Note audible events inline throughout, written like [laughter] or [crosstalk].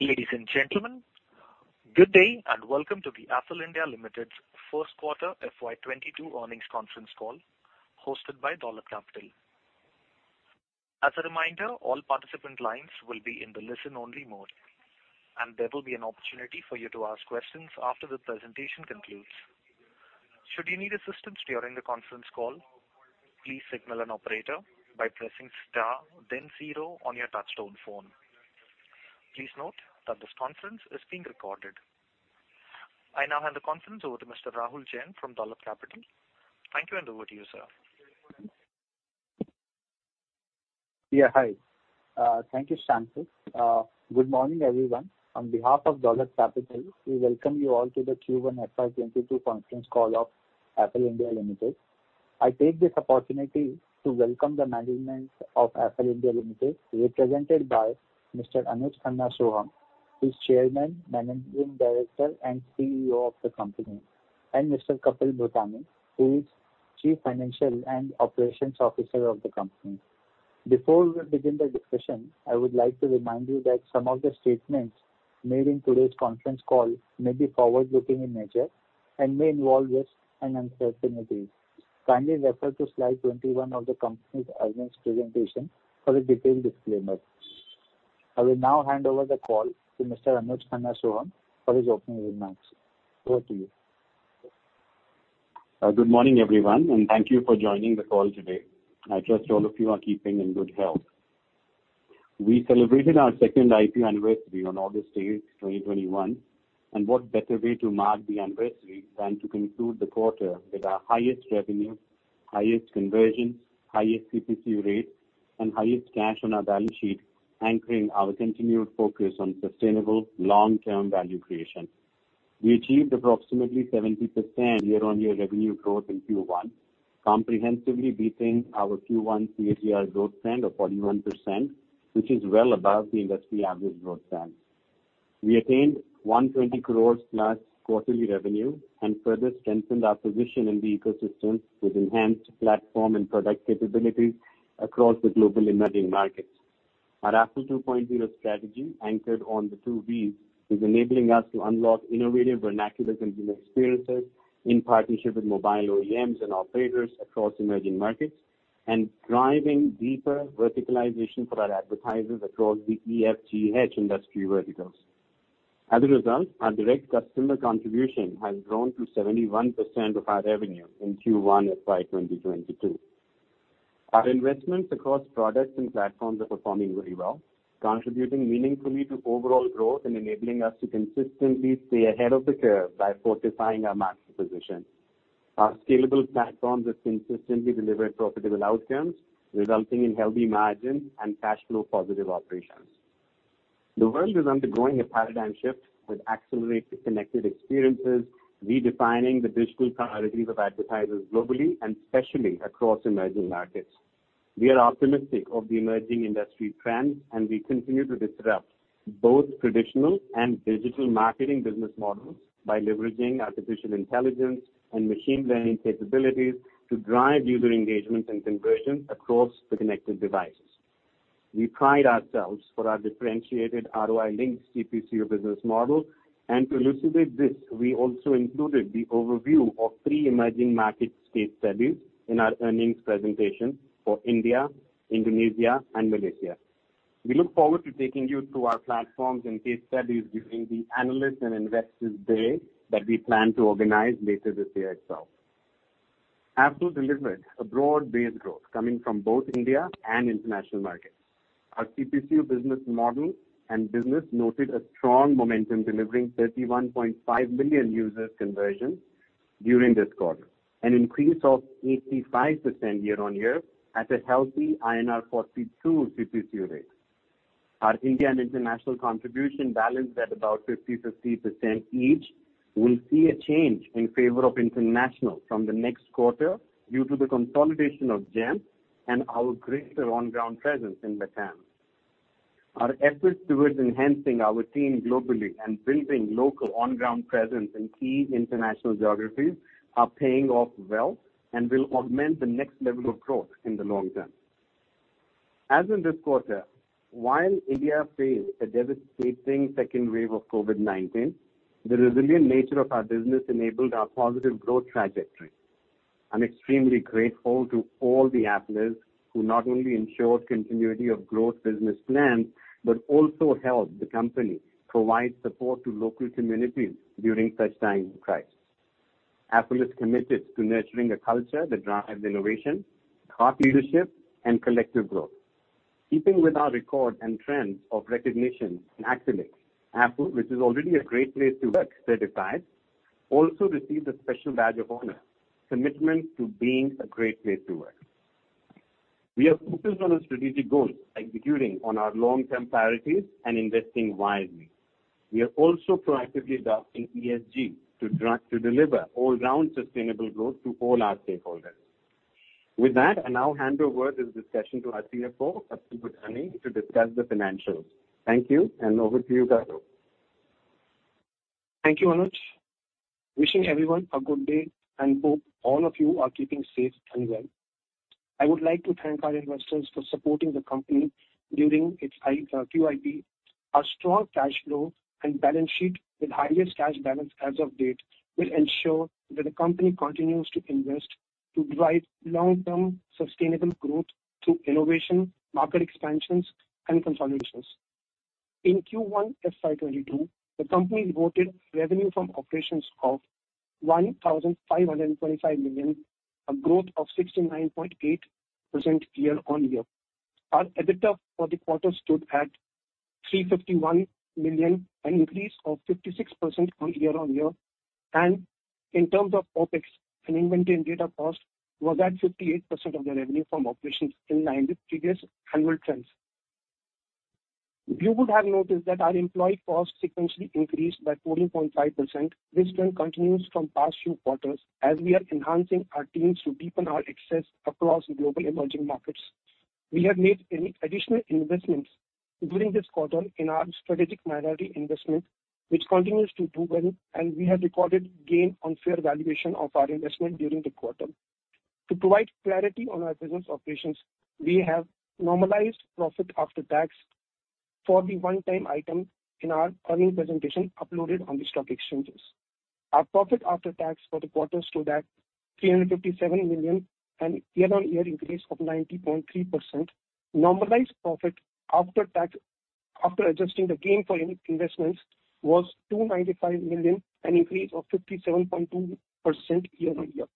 Ladies and gentlemen, good day, and welcome to the Affle India Limited first quarter FY 2022 earnings conference call hosted by Dolat Capital. As a reminder, all participant lines will be in the listen-only mode, and there will be an opportunity for you to ask questions after the presentation concludes. Should you need assistance during the conference call, please signal an operator by pressing star then zero on your touchtone phone. Please note that this conference is being recorded. I now hand the conference over to Mr. Rahul Jain from Dolat Capital. Thank you, and over to you, sir. Hi. Thank you, Shankar. Good morning, everyone. On behalf of Dolat Capital, we welcome you all to the Q1 FY 2022 conference call of Affle India Limited. I take this opportunity to welcome the management of Affle India Limited, represented by Mr. Anuj Khanna Sohum, who's Chairman, Managing Director, and CEO of the company, and Mr. Kapil Bhutani, who is Chief Financial and Operations Officer of the company. Before we begin the discussion, I would like to remind you that some of the statements made in today's conference call may be forward-looking in nature and may involve risks and uncertainties. Kindly refer to Slide 21 of the company's earnings presentation for a detailed disclaimer. I will now hand over the call to Mr. Anuj Khanna Sohum for his opening remarks. Over to you. Good morning, everyone, and thank you for joining the call today. I trust all of you are keeping in good health. We celebrated our second IPO anniversary on August 8th, 2021, and what better way to mark the anniversary than to conclude the quarter with our highest revenue, highest conversions, highest CPC rates, and highest cash on our balance sheet, anchoring our continued focus on sustainable long-term value creation. We achieved approximately 70% year-on-year revenue growth in Q1, comprehensively beating our Q1 CAGR growth trend of 41%, which is well above the industry average growth trend. We attained 120 crore plus quarterly revenue and further strengthened our position in the ecosystem with enhanced platform and product capabilities across the global emerging markets. Our Affle 2.0 strategy, anchored on the 2 Vs, is enabling us to unlock innovative vernacular consumer experiences in partnership with mobile OEMs and operators across emerging markets and driving deeper verticalization for our advertisers across the EFGH industry verticals. As a result, our direct customer contribution has grown to 71% of our revenue in Q1 FY 2022. Our investments across products and platforms are performing very well, contributing meaningfully to overall growth and enabling us to consistently stay ahead of the curve by fortifying our market position. Our scalable platform has consistently delivered profitable outcomes, resulting in healthy margins and cash flow positive operations. The world is undergoing a paradigm shift that accelerates connected experiences, redefining the digital priorities of advertisers globally and especially across emerging markets. We are optimistic of the emerging industry trends, we continue to disrupt both traditional and digital marketing business models by leveraging artificial intelligence and machine learning capabilities to drive user engagement and conversion across the connected devices. We pride ourselves for our differentiated ROI-linked CPC business model, to elucidate this, we also included the overview of three emerging market case studies in our earnings presentation for India, Indonesia, and Malaysia. We look forward to taking you through our platforms and case studies during the analyst and investors day that we plan to organize later this year itself. Affle delivered a broad-based growth coming from both India and international markets. Our CPC business model and business noted a strong momentum, delivering 31.5 million users conversion during this quarter, an increase of 85% year-on-year at a healthy INR 42 CPC rate. Our India and international contribution balance is at about 50/50% each, will see a change in favor of international from the next quarter due to the consolidation of Jampp and our greater on-ground presence in Latam. Our efforts towards enhancing our team globally and building local on-ground presence in key international geographies are paying off well and will augment the next level of growth in the long term. As in this quarter, while India faced a devastating second wave of COVID-19, the resilient nature of our business enabled our positive growth trajectory. I'm extremely grateful to all the Afflers who not only ensured continuity of growth business plans, but also helped the company provide support to local communities during such times of crisis. Affle is committed to nurturing a culture that drives innovation, thought leadership, and collective growth. Keeping with our record and trends of recognition and accolades, Affle, which is already a Great Place To Work-certified, also received a Special Badge of Honor, commitment to being a great place to work. We are focused on a strategic goal, executing on our long-term priorities and investing wisely. We are also proactively adopting ESG to deliver all-round sustainable growth to all our stakeholders. With that, I now hand over this discussion to our CFO, Kapil Bhutani, to discuss the financials. Thank you, and over to you, Kapil. Thank you, Anuj. Wishing everyone a good day, and hope all of you are keeping safe and well. I would like to thank our investors for supporting the company during its QIP. Our strong cash flow and balance sheet with highest cash balance as of date will ensure that the company continues to invest to drive long-term sustainable growth through innovation, market expansions and consolidations. In Q1 FY 2022, the company reported revenue from operations of 1,525 million, a growth of 69.8% year-on-year. Our EBITDA for the quarter stood at 351 million, an increase of 56% year-on-year. In terms of OpEx and inventory and data cost was at 58% of the revenue from operations in line with previous annual trends. You would have noticed that our employee costs sequentially increased by 14.5%. This trend continues from past few quarters as we are enhancing our teams to deepen our access across global emerging markets. We have made any additional investments during this quarter in our strategic minority investment, which continues to do well, and we have recorded gain on fair valuation of our investment during the quarter. To provide clarity on our business operations, we have normalized profit after tax for the one-time item in our earnings presentation uploaded on the stock exchanges. Our profit after tax for the quarter stood at 357 million, a year-on-year increase of 90.3%. Normalized profit after adjusting the gain for any investments was 295 million, an increase of 57.2% year-on-year.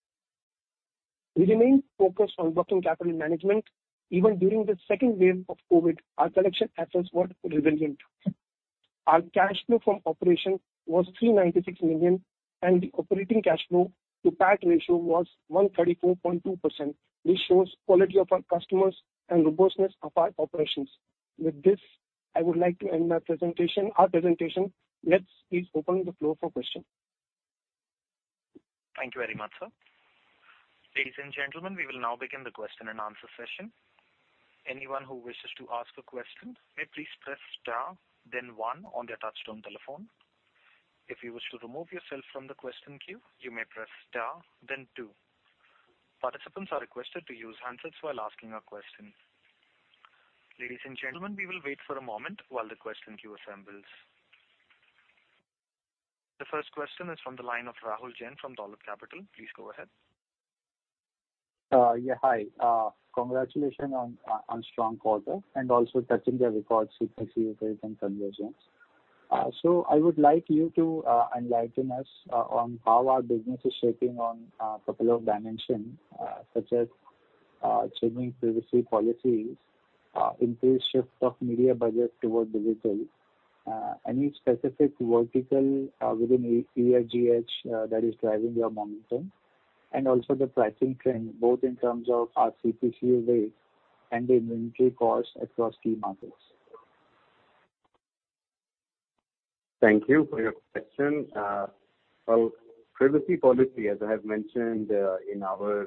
We remain focused on working capital management. Even during the second wave of COVID-19, our collection efforts were resilient. Our cash flow from operation was 396 million, and the operating cash flow to PAT ratio was 134.2%. This shows quality of our customers and robustness of our operations. With this, I would like to end our presentation. Let's please open the floor for questions. Thank you very much, sir. Ladies and gentlemen, we will now begin the question and answer session. Anyone who wishes to ask a question may please press star then one on their touch-tone telephone. If you wish to remove yourself from the question queue, you may press star then two. Participants are requested to use handsets while asking a question. Ladies and gentlemen, we will wait for a moment while the question queue assembles. The first question is from the line of Rahul Jain from Dolat Capital. Please go ahead. Yeah. Hi. Congratulations on strong quarter and also touching the records sequentially with conversions. I would like you to enlighten us on how our business is shaping on a couple of dimension, such as changing privacy policies, increased shift of media budget towards digital, any specific vertical within EFGH that is driving your momentum, and also the pricing trend both in terms of our CPC rate and the inventory cost across key markets? Thank you for your question. Well, privacy policy, as I have mentioned, in our,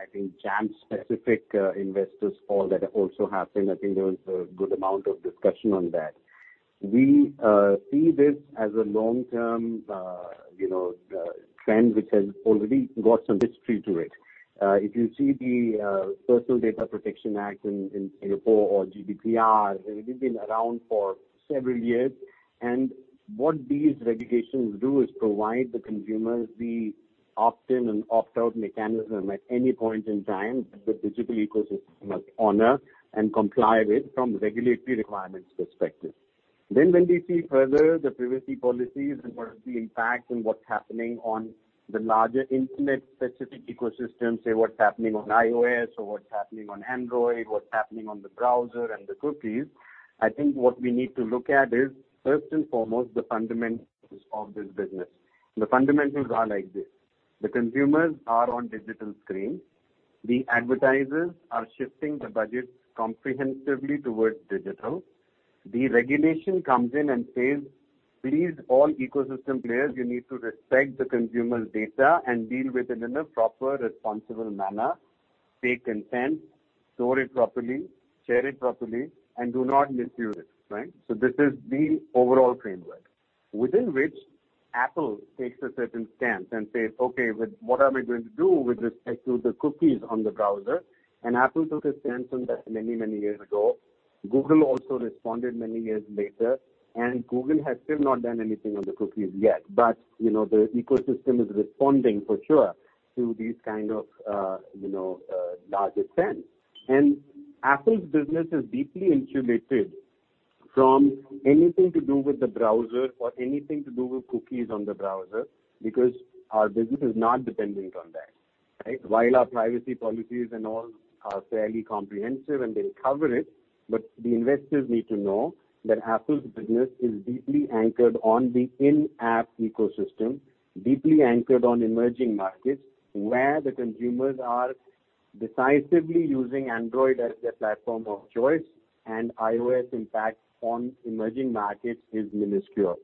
I think, Jampp specific investors call that also happened, I think there was a good amount of discussion on that. We see this as a long-term trend, which has already got some history to it. If you see the Personal Data Protection Act in Singapore or PDPA, they've been around for several years. What these regulations do is provide the consumers the opt-in and opt-out mechanism at any point in time that the digital ecosystem must honor and comply with from regulatory requirements perspective. When we see further the privacy policies and what is the impact and what's happening on the larger internet-specific ecosystem, say, what's happening on iOS or what's happening on Android, what's happening on the browser and the cookies, I think what we need to look at is first and foremost the fundamentals of this business. The fundamentals are like this. The consumers are on digital screen. The advertisers are shifting the budgets comprehensively towards digital. The regulation comes in and says, "Please, all ecosystem players, you need to respect the consumer's data and deal with it in a proper, responsible manner. Take consent, store it properly, share it properly, and do not misuse it." Right? This is the overall framework. Within which Affle takes a certain stance and says, "Okay, what am I going to do with respect to the cookies on the browser?" Affle took a stance on that many years ago. Google also responded many years later, and Google has still not done anything on the cookies yet. The ecosystem is responding for sure to these kind of larger trends. Affle's business is deeply insulated from anything to do with the browser or anything to do with cookies on the browser, because our business is not dependent on that, right? While our privacy policies and all are fairly comprehensive and they cover it, the investors need to know that Affle's business is deeply anchored on the in-app ecosystem, deeply anchored on emerging markets, where the consumers are decisively using Android as their platform of choice, and iOS impact on emerging markets is minuscule.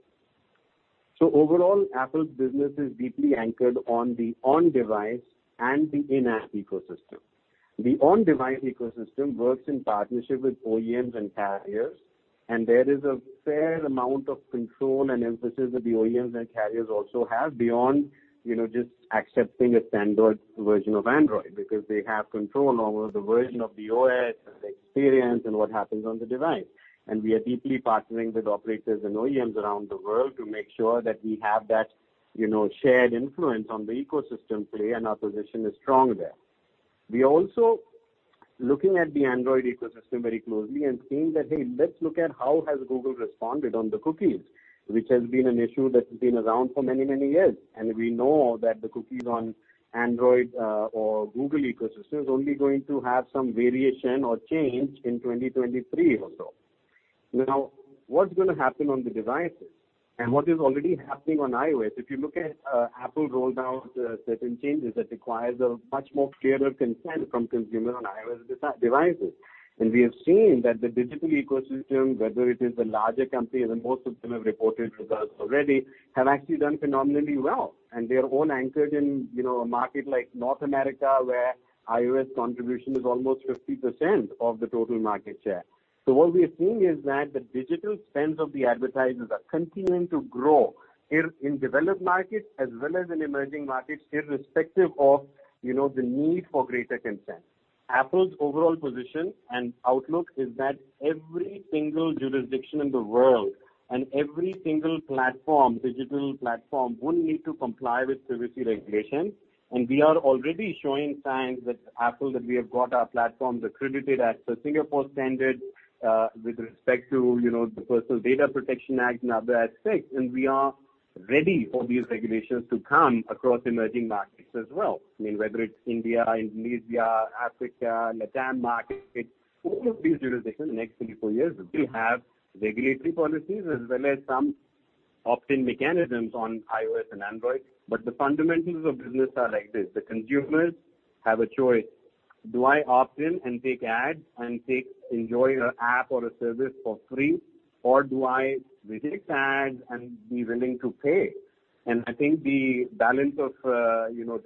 Overall, Affle's business is deeply anchored on the on-device and the in-app ecosystem. The on-device ecosystem works in partnership with OEMs and carriers, and there is a fair amount of control and emphasis that the OEMs and carriers also have beyond just accepting a standard version of Android, because they have control over the version of the OS and the experience and what happens on the device. We are deeply partnering with operators and OEMs around the world to make sure that we have that shared influence on the ecosystem play, and our position is strong there. We're also looking at the Android ecosystem very closely and seeing that, hey, let's look at how has Google responded on the cookies, which has been an issue that's been around for many years. We know that the cookies on Android or Google ecosystem is only going to have some variation or change in 2023 or so. What's going to happen on the devices and what is already happening on iOS, if you look at Affle rolled out certain changes that requires a much more clearer consent from consumers on iOS devices. We have seen that the digital ecosystem, whether it is the larger companies, and most of them have reported results already, have actually done phenomenally well, and they are all anchored in a market like North America, where iOS contribution is almost 50% of the total market share. What we are seeing is that the digital spends of the advertisers are continuing to grow in developed markets as well as in emerging markets, irrespective of the need for greater consent. Affle's overall position and outlook is that every single jurisdiction in the world and every single digital platform would need to comply with privacy regulations, and we are already showing signs with Affle that we have got our platforms accredited at the Singapore standard with respect to the Personal Data Protection Act and other acts, and we are ready for these regulations to come across emerging markets as well. Whether it's India, Indonesia, Africa, LATAM markets, all of these jurisdictions in the next three, four years will have regulatory policies as well as some opt-in mechanisms on iOS and Android. The fundamentals of business are like this. The consumers have a choice. Do I opt in and take ads and enjoy an app or a service for free, or do I reject ads and be willing to pay? I think the balance of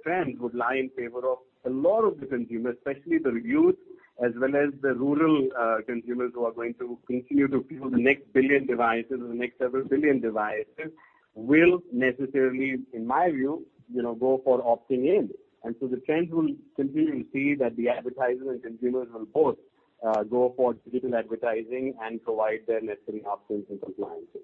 trends would lie in favor of a lot of the consumers, especially the youth as well as the rural consumers who are going to continue to fuel the next billion devices or the next several billion devices, will necessarily, in my view, go for opting in. So the trends will continue, and see that the advertisers and consumers will both go for digital advertising and provide their necessary opt-ins and compliances.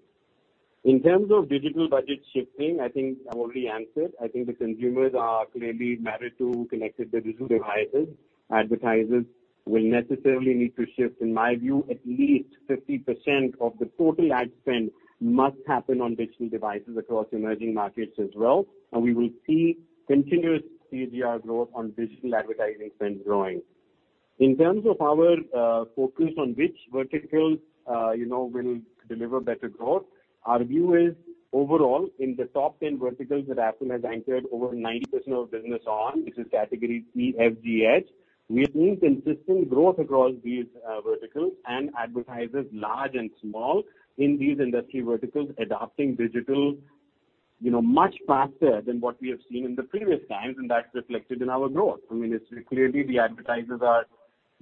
In terms of digital budget shifting, I think I've already answered. I think the consumers are clearly married to connected digital devices. Advertisers will necessarily need to shift. In my view, at least 50% of the total ad spend must happen on digital devices across emerging markets as well, and we will see continuous CAGR growth on digital advertising spend growing. In terms of our focus on which verticals will deliver better growth, our view is overall in the top 10 verticals that Affle has anchored over 90% of business on, which is category E, F, G, H. We have seen consistent growth across these verticals and advertisers large and small in these industry verticals adopting digital much faster than what we have seen in the previous times, and that's reflected in our growth. Clearly, the advertisers are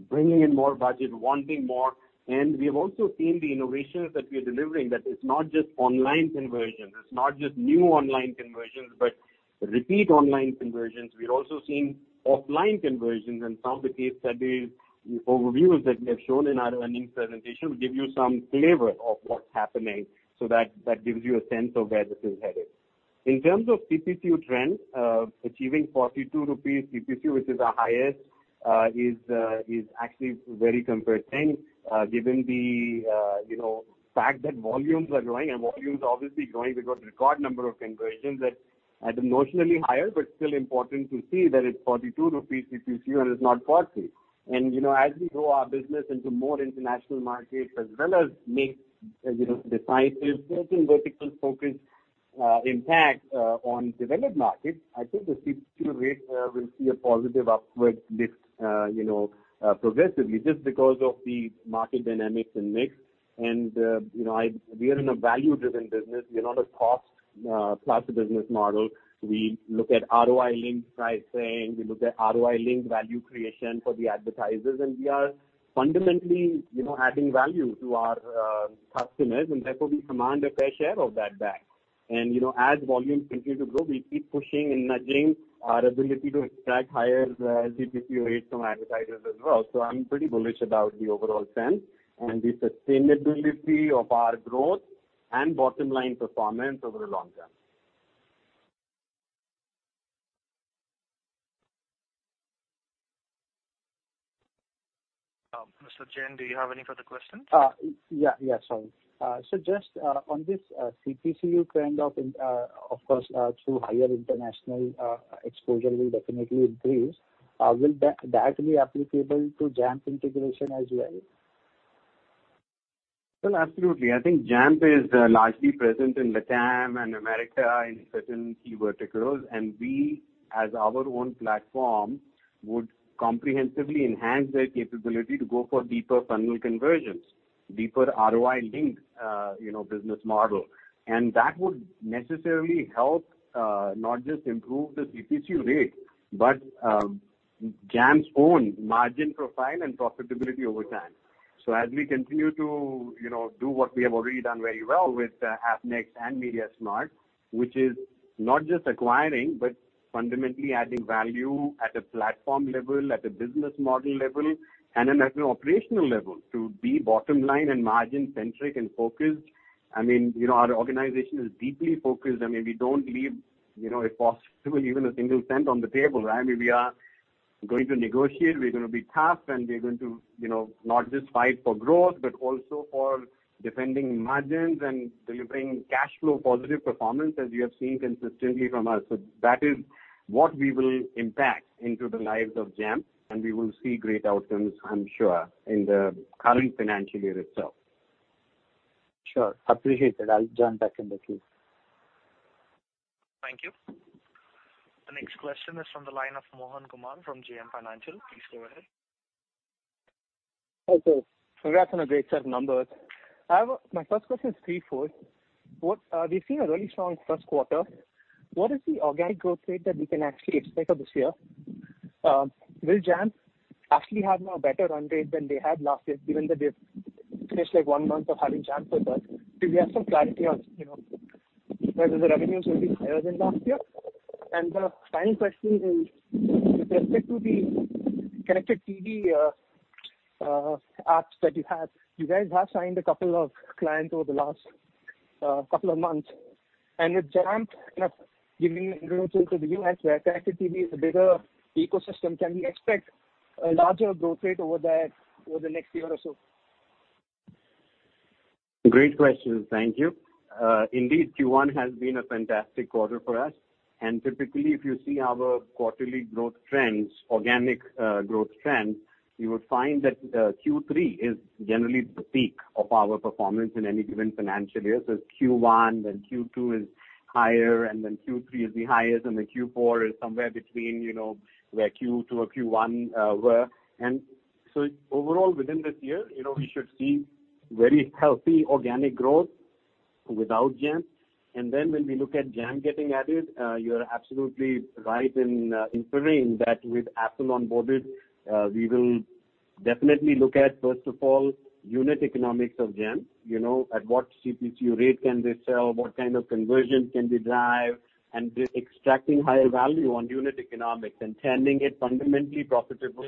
bringing in more budget, wanting more, and we have also seen the innovations that we are delivering, that it's not just online conversions, it's not just new online conversions, but repeat online conversions. We're also seeing offline conversions and some of the case studies overviews that we have shown in our earnings presentation will give you some flavor of what's happening so that gives you a sense of where this is headed. In terms of CPCU trend, achieving ₹42 CPCU, which is our highest, is actually very comforting given the fact that volumes are growing, and volumes obviously growing because record number of conversions that are notionally higher but still important to see that it's ₹42 CPCU and it's not 40. As we grow our business into more international markets as well as make decisive certain vertical focus impact on developed markets, I think the CPCU rate will see a positive upward lift progressively just because of the market dynamics and mix. We are in a value-driven business, we are not a cost plus business model, we look at ROI-linked pricing, we look at ROI-linked value creation for the advertisers, and we are fundamentally adding value to our customers, and therefore we command a fair share of that back. As volumes continue to grow, we keep pushing and nudging our ability to extract higher CPCU rates from advertisers as well. I'm pretty bullish about the overall trend and the sustainability of our growth and bottom line performance over the long term. Mr. Jain, do you have any further questions? Yeah. Sorry. Just on this CPCU trend, of course, through higher international exposure will definitely increase. Will that be applicable to Jampp integration as well? Well, absolutely. I think Jampp is largely present in LATAM and America in certain key verticals, and we, as our own platform, would comprehensively enhance their capability to go for deeper funnel conversions, deeper ROI-linked business model. That would necessarily help not just improve the CPCU rate, but Jampp's own margin profile and profitability over time. As we continue to do what we have already done very well with Appnext and mediasmart, which is not just acquiring, but fundamentally adding value at a platform level, at a business model level, and then at an operational level to be bottom line and margin centric and focused. Our organization is deeply focused, and we don't leave, if possible, even a single cent on the table. We are going to negotiate, we're going to be tough, and we're going to not just fight for growth, but also for defending margins and delivering cash flow positive performance as you have seen consistently from us. That is what we will impact into the lives of Jampp, and we will see great outcomes, I'm sure, in the current financial year itself. Sure. Appreciated. I'll join back in the queue. Thank you. The next question is from the line of Mohan Kumar from JM Financial. Please go ahead. Hi, sir. Congrats on a great set of numbers. My first question is three-fold. We've seen a really strong first quarter. What is the organic growth rate that we can actually expect of this year? Will Jampp actually have now better run rate than they had last year, given that they've finished like one month of having Jampp with us? Do we have some clarity on whether the revenues will be higher than last year? The final question is, [audio distortion] to the connected TV apps that you have, you guys have signed a couple clients over the last couple months. With Jampp kind of giving to the U.S. where connected TV is a bigger ecosystem, can we expect a larger growth rate over there over the next year or so? Great questions. Thank you. Indeed, Q1 has been a fantastic quarter for us. Typically, if you see our quarterly growth trends, organic growth trends, you will find that Q3 is generally the peak of our performance in any given financial year. So it's Q1, then Q2 is higher, and then Q3 is the highest, and then Q4 is somewhere between where Q2 or Q1 were. Overall within this year, we should see very healthy organic growth without Jampp. When we look at Jampp getting added, you're absolutely right in inferring that with Affle on boarded, we will definitely look at, first of all, unit economics of Jampp. At what CPCU rate can they sell, what kind of conversion can we drive, and extracting higher value on unit economics and turning it fundamentally profitable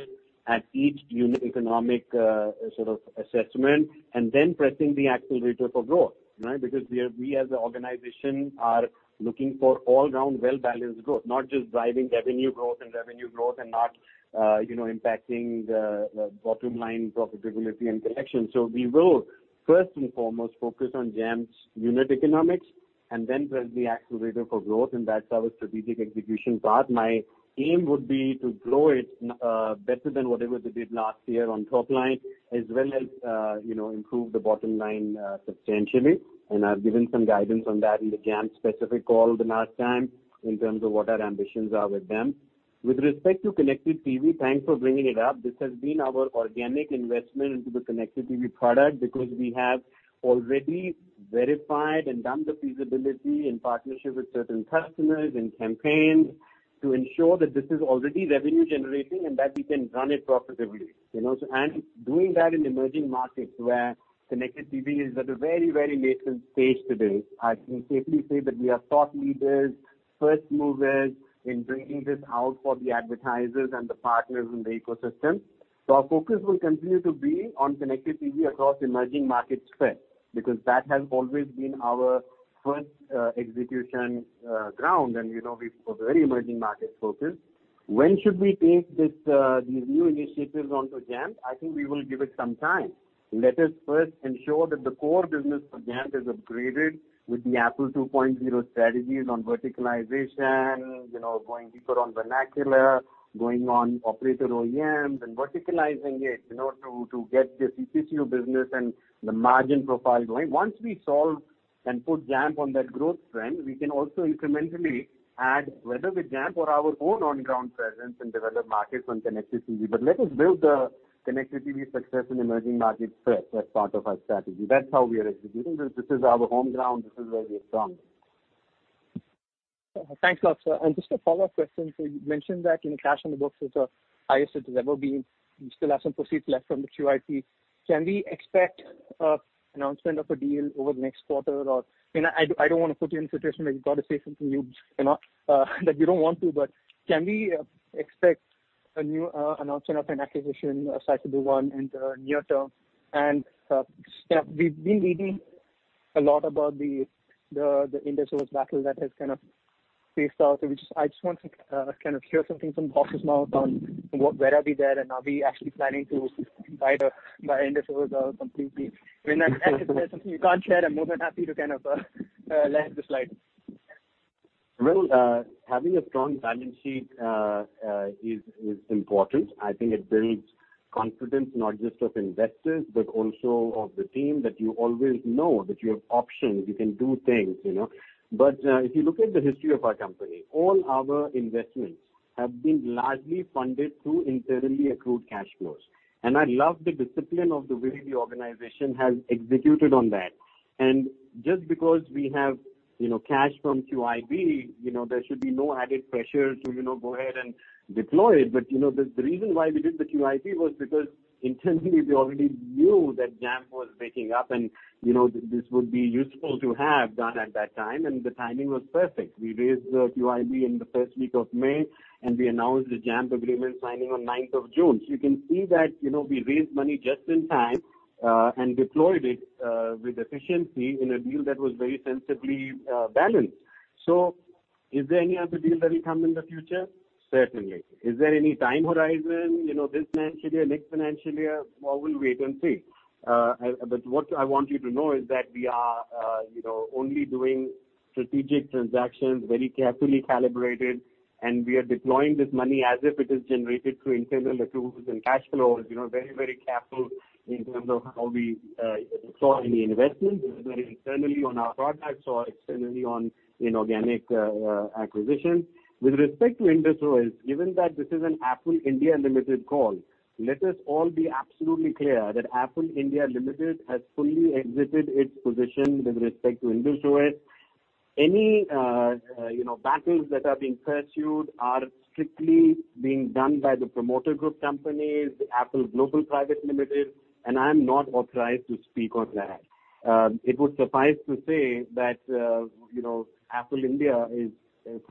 at each unit economic assessment, and then pressing the accelerator for growth, right? We as an organization are looking for all-round well-balanced growth, not just driving revenue growth and revenue growth and not impacting the bottom line profitability and collection. We will first and foremost focus on Jampp's unit economics and then press the accelerator for growth, and that's our strategic execution part. My aim would be to grow it better than whatever they did last year on top line as well as improve the bottom line substantially. I've given some guidance on that in the Jampp specific call the last time in terms of what our ambitions are with them. With respect to connected TV, thanks for bringing it up. This has been our organic investment into the connected TV product because we have already verified and done the feasibility in partnership with certain customers and campaigns to ensure that this is already revenue generating and that we can run it profitably. Doing that in emerging markets where connected TV is at a very, very nascent stage today. I can safely say that we are thought leaders, first movers in bringing this out for the advertisers and the partners in the ecosystem. Our focus will continue to be on connected TV across emerging markets first, because that has always been our first execution ground, and we are very emerging market focused. When should we take these new initiatives onto Jampp? I think we will give it some time. Let us first ensure that the core business for Jampp is upgraded with the Affle 2.0 strategies on verticalization, going deeper on vernacular, going on operator OEMs, and verticalizing it to get the CPCU business and the margin profile going. Once we solve and put Jampp on that growth trend, we can also incrementally add whether with Jampp or our own on-ground presence in developed markets on connected TV. Let us build the connected TV success in emerging markets first as part of our strategy. That's how we are executing this. This is our home ground. This is where we are strong. Thanks a lot, sir. Just a follow-up question. You mentioned that cash on the books is the highest it has ever been. You still have some proceeds left from the QIP. Can we expect announcement of a deal over the next quarter? I don't want to put you in a situation where you've got to say something that you don't want to, but can we expect a new announcement of an acquisition, a sizable one in the near term? We've been reading a lot about the Indus OS battle that has kind of phased out. I just want to kind of hear something from bosses' mouth on where are we there, and are we actually planning to buy Indus OS out completely? If there's something you can't share, I'm more than happy to kind of let this slide. Well, having a strong balance sheet is important. I think it builds confidence not just of investors, but also of the team that you always know that you have options, you can do things. If you look at the history of our company, all our investments have been largely funded through internally accrued cash flows. I love the discipline of the way the organization has executed on that. Just because we have cash from QIP, there should be no added pressure to go ahead and deploy it. The reason why we did the QIP was because internally we already knew that Jampp was waking up, and this would be useful to have done at that time, and the timing was perfect. We raised the QIP in the first week of May, and we announced the Jampp agreement signing on the ninth of June. You can see that we raised money just in time and deployed it with efficiency in a deal that was very sensibly balanced. Is there any other deal that will come in the future? Certainly. Is there any time horizon, this financial year, next financial year? Well, we'll wait and see. What I want you to know is that we are only doing strategic transactions, very carefully calibrated, and we are deploying this money as if it is generated through internal accruals and cash flows. Very, very careful in terms of how we deploy any investment, whether internally on our products or externally on inorganic acquisitions. With respect to Indus OS, given that this is an Affle India Limited call, let us all be absolutely clear that Affle India Limited has fully exited its position with respect to Indus OS. Any battles that are being pursued are strictly being done by the promoter group companies, Affle Global Private Limited, and I'm not authorized to speak on that. It would suffice to say that Affle India is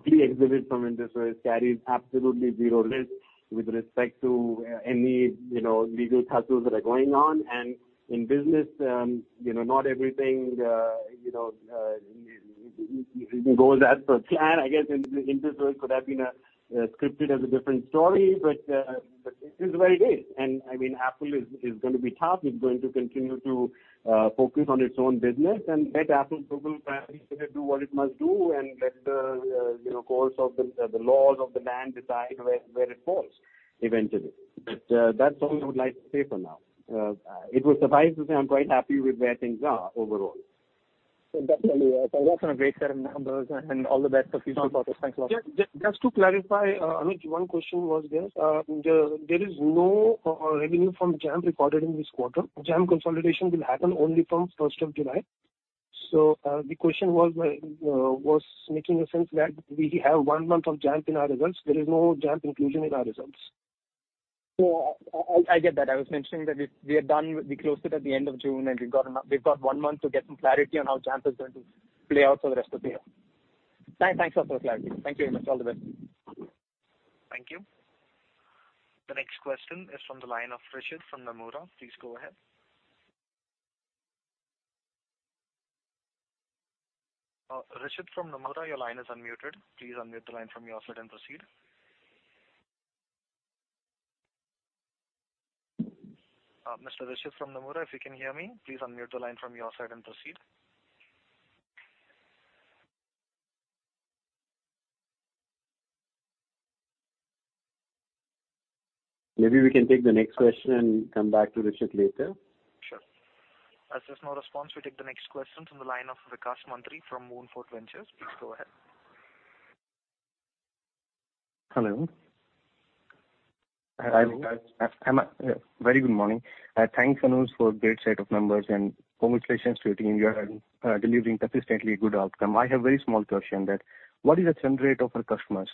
fully exited from Indus OS, carries absolutely zero risk with respect to any legal tussles that are going on. In business not everything goes as per plan. I guess Indus OS could have been scripted as a different story, but it is where it is. Affle is going to be tough. It's going to continue to focus on its own business and let Affle Global Private do what it must do and let the course of the laws of the land decide where it falls eventually. But that's all I would like to say for now. It would suffice to say I'm quite happy with where things are overall. Definitely. Congratulations on a great set of numbers and all the best for future quarters. Thanks a lot. Just to clarify, [audio distortion] one question was this. There is no revenue from Jampp recorded in this quarter. Jampp consolidation will happen only from the 1st July. The question was making sense that we have one month of Jampp in our results. There is no Jampp inclusion in our results. No, I get that. I was mentioning that we closed it at the end of June, and we've got one month to get some clarity on how Jampp is going to play out for the rest of the year. Thanks for the clarity. Thank you, Himesh. All the best. Thank you. The next question is from the line of Rishit from Nomura. Please go ahead. Rishit from Nomura, your line is unmuted. Please unmute the line from your side and proceed. Mr. Rishit from Nomura, if you can hear me, please unmute the line from your side and proceed. Maybe we can take the next question and come back to Rishit later. Sure. As there's no response, we take the next question from the line of Vikas Mantri from Moonfort Ventures. Please go ahead. Hello. Hello. Very good morning. Thanks, Anuj, for a great set of numbers and congratulations to your team. You are delivering consistently good outcome. I have a very small question that what is the churn rate of our customers?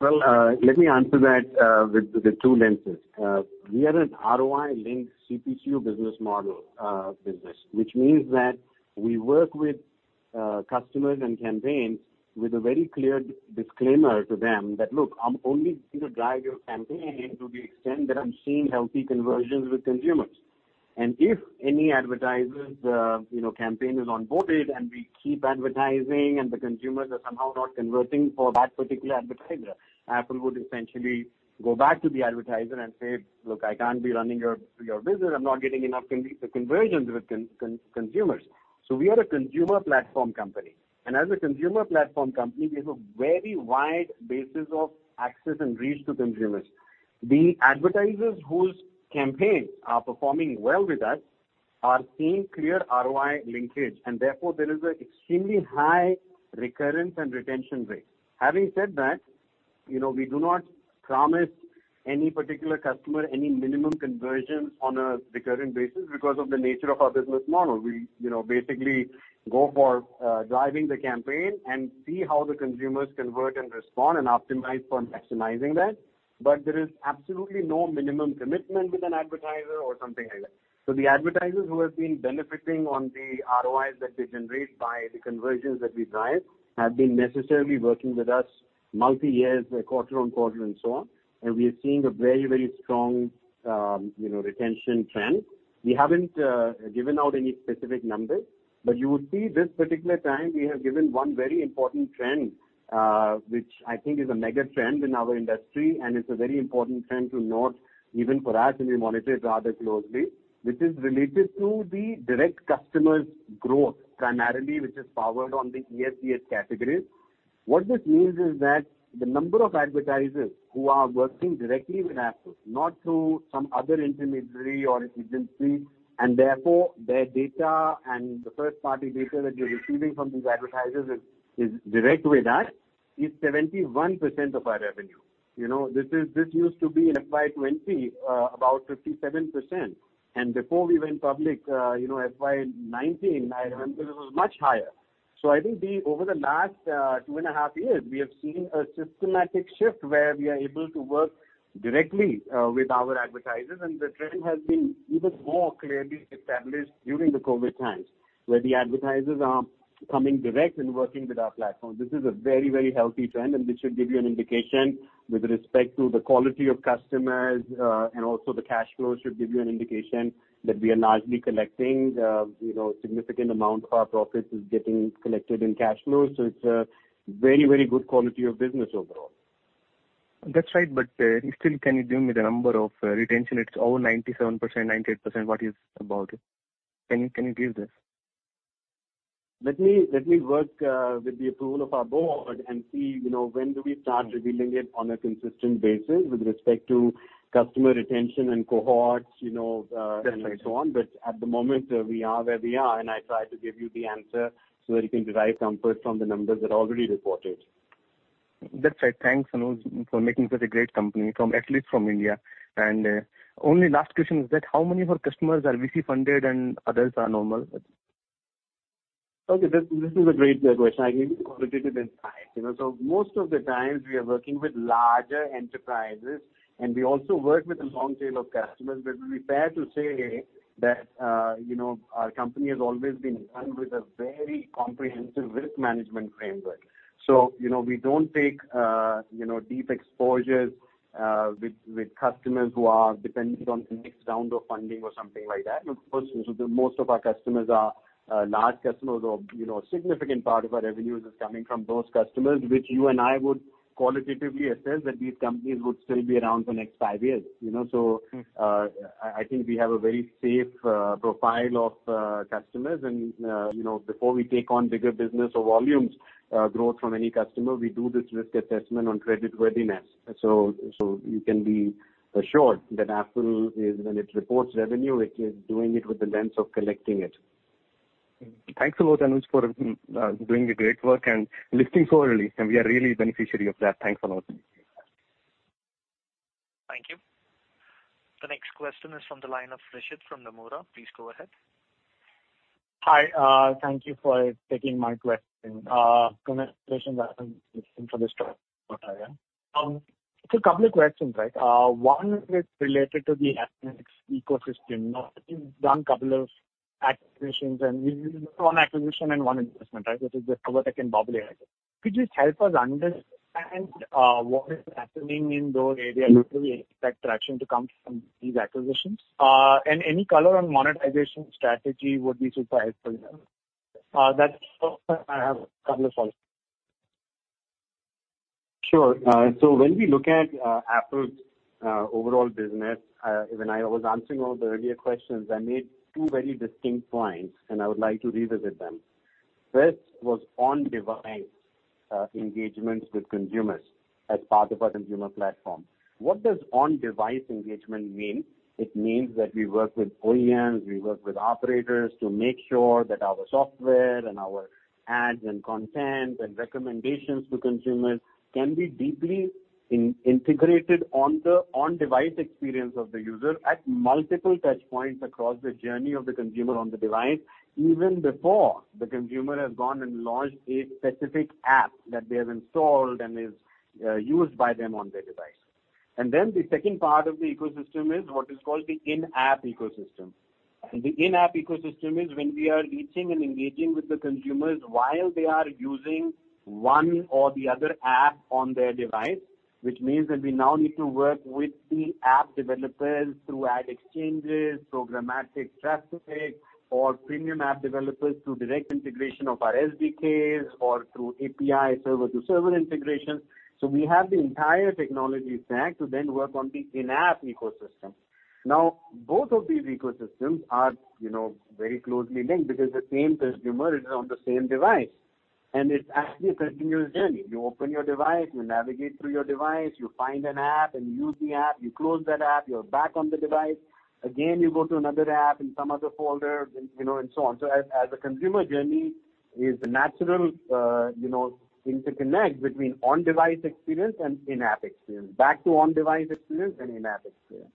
Well, let me answer that with the two lenses. We are an ROI-linked CPCU business model business, which means that we work with customers and campaigns with a very clear disclaimer to them that, "Look, I'm only going to drive your campaign to the extent that I'm seeing healthy conversions with consumers." If any advertiser's campaign is onboarded and we keep advertising and the consumers are somehow not converting for that particular advertiser, Affle would essentially go back to the advertiser and say, "Look, I can't be running your business. I'm not getting enough conversions with consumers." We are a consumer platform company. As a consumer platform company, we have a very wide basis of access and reach to consumers. The advertisers whose campaigns are performing well with us are seeing clear ROI linkage, and therefore, there is an extremely high recurrence and retention rate. Having said that, we do not promise any particular customer any minimum conversions on a recurring basis because of the nature of our business model. We basically go for driving the campaign and see how the consumers convert and respond, and optimize for maximizing that. There is absolutely no minimum commitment with an advertiser or something like that. The advertisers who have been benefiting on the ROIs that they generate by the conversions that we drive have been necessarily working with us multi-years, quarter on quarter, and so on, and we are seeing a very, very strong retention trend. We haven't given out any specific numbers. You would see this particular time we have given one very important trend, which I think is a mega trend in our industry, and it's a very important trend to note even for us, and we monitor it rather closely, which is related to the direct customers' growth, primarily which is powered on the EFGH categories. What this means is that the number of advertisers who are working directly with Affle, not through some other intermediary or agency, and therefore, their data and the first-party data that we're receiving from these advertisers is direct with us, is 71% of our revenue. This used to be in FY 2020, about 57%, and before we went public, FY 2019, I remember it was much higher. I think over the last two and a half years, we have seen a systematic shift where we are able to work directly with our advertisers, and the trend has been even more clearly established during the COVID-19 times, where the advertisers are coming direct and working with our platform. This is a very healthy trend, and this should give you an indication with respect to the quality of customers, and also the cash flows should give you an indication that we are largely collecting. A significant amount of our profits is getting collected in cash flows. It's a very good quality of business overall. That's right. Still, can you give me the number of retention? It's over 97%, 98%? What is it about? Can you give this? Let me work with the approval of our board and see when do we start revealing it on a consistent basis with respect to customer retention and cohorts. That's right. So on. At the moment, we are where we are, and I try to give you the answer so that you can derive comfort from the numbers that are already reported. That's right. Thanks, Anuj, for making such a great company, at least from India. Only last question is that how many of our customers are VC-funded and others are normal? Okay. This is a great question. I give you qualitative insight. Most of the time, we are working with larger enterprises, and we also work with a long tail of customers. It'll be fair to say that our company has always been run with a very comprehensive risk management framework. We don't take deep exposures with customers who are dependent on the next round of funding or something like that. Of course, most of our customers are large customers or a significant part of our revenues is coming from those customers, which you and I would qualitatively assess that these companies would still be around for the next five years. I think we have a very safe profile of customers, and before we take on bigger business or volumes growth from any customer, we do this risk assessment on creditworthiness. You can be assured that Affle, when it reports revenue, it is doing it with the lens of collecting it. Thanks a lot, Anuj, for doing a great work and listing so early, and we are really beneficiary of that. Thanks a lot. Thank you. The next question is from the line of Rishit from Nomura. Please go ahead. Hi. Thank you for taking my question. Congratulations, Anuj, for this. A couple of questions. One is related to the Appnext ecosystem. You've done two acquisitions and one investment, which is the DiscoverTech and Bobble AI, I guess. Could you just help us understand what is happening in those areas? Do we expect traction to come from these acquisitions? Any color on monetization strategy would be super helpful. That's all I have. Two follows. Sure. When we look at Affle's overall business, when I was answering all the earlier questions, I made two very distinct points, and I would like to revisit them. First was on-device engagements with consumers as part of our consumer platform. What does on-device engagement mean? It means that we work with OEMs, we work with operators to make sure that our software and our ads and content and recommendations to consumers can be deeply integrated on the on-device experience of the user at multiple touch points across the journey of the consumer on the device, even before the consumer has gone and launched a specific app that they have installed and is used by them on their device. The second part of the ecosystem is what is called the in-app ecosystem. The in-app ecosystem is when we are reaching and engaging with the consumers while they are using one or the other app on their device, which means that we now need to work with the app developers through ad exchanges, programmatic traffic, or premium app developers through direct integration of our SDKs or through API server-to-server integration. We have the entire technology stack to then work on the in-app ecosystem. Now, both of these ecosystems are very closely linked because the same consumer is on the same device, and it's actually a continuous journey. You open your device, you navigate through your device, you find an app, and you use the app. You close that app, you're back on the device. Again, you go to another app in some other folder, and so on. As a consumer journey is a natural interconnect between on-device experience and in-app experience, back to on-device experience and in-app experience.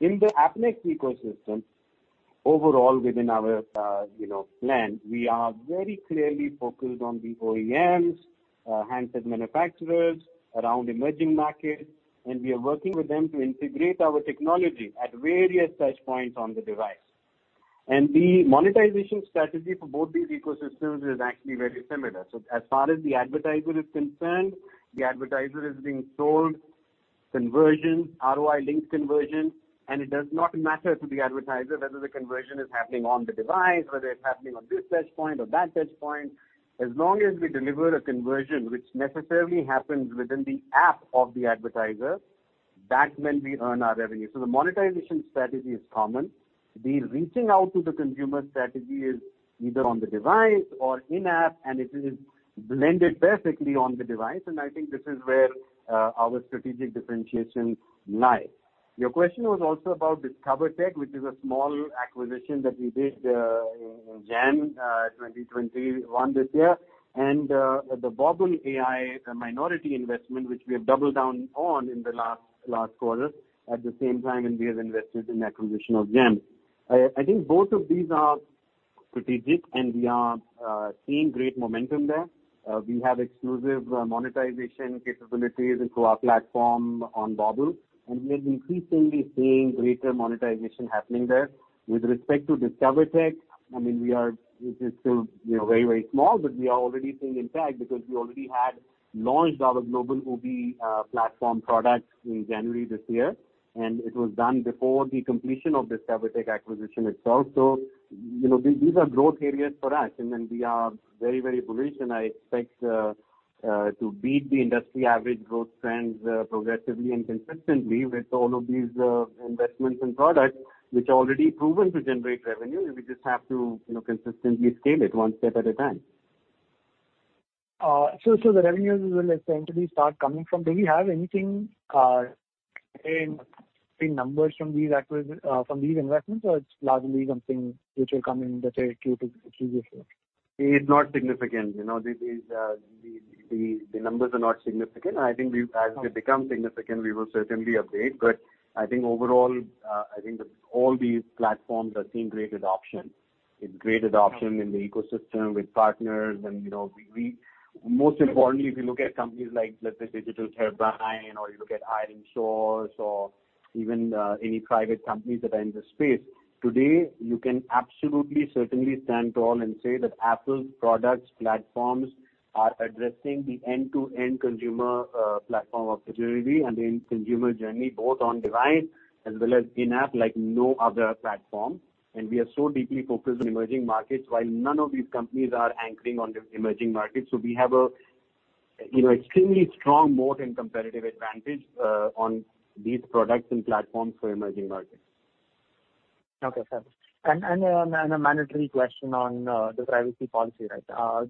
In the Appnext ecosystem, overall within our plan, we are very clearly focused on the OEMs, handset manufacturers around emerging markets, and we are working with them to integrate our technology at various touch points on the device. The monetization strategy for both these ecosystems is actually very similar. As far as the advertiser is concerned, the advertiser is being sold conversion, ROI-linked conversion, and it does not matter to the advertiser whether the conversion is happening on the device, whether it's happening on this touch point or that touch point. As long as we deliver a conversion which necessarily happens within the app of the advertiser, that's when we earn our revenue. The monetization strategy is common. The reaching out to the consumer strategy is either on the device or in-app, and it is blended perfectly on the device, and I think this is where our strategic differentiation lies. Your question was also about DiscoverTech, which is a small acquisition that we did in January 2021 this year, and the Bobble AI minority investment, which we have doubled down on in the last quarter at the same time, and we have invested in acquisition of them. I think both of these are strategic, and we are seeing great momentum there. We have exclusive monetization capabilities into our platform on Bobble, and we are increasingly seeing greater monetization happening there. With respect to DiscoverTech, it is still very small, but we are already seeing impact because we already had launched our global OOBE platform products in January this year, and it was done before the completion of DiscoverTech acquisition itself. These are growth areas for us, and we are very privileged, and I expect to beat the industry average growth trends progressively and consistently with all of these investments in products which are already proven to generate revenue. We just have to consistently scale it one step at a time. The revenues will essentially start coming from. Do we have anything in numbers from these investments, or it's largely something which will come in the Q2 to Q3 this year? It's not significant. The numbers are not significant. I think as they become significant, we will certainly update. I think overall, all these platforms are seeing great adoption, great adoption in the ecosystem with partners. Most importantly, if you look at companies like, let's say, Digital Turbine, or you look at ironSource or even any private companies that are in the space, today, you can absolutely, certainly stand tall and say that Affle's products, platforms are addressing the end-to-end consumer platform opportunity and the end consumer journey, both on device as well as in-app, like no other platform. We are so deeply focused on emerging markets while none of these companies are anchoring on the emerging markets. We have a extremely strong moat and competitive advantage on these products and platforms for emerging markets. Okay. A mandatory question on the privacy policy.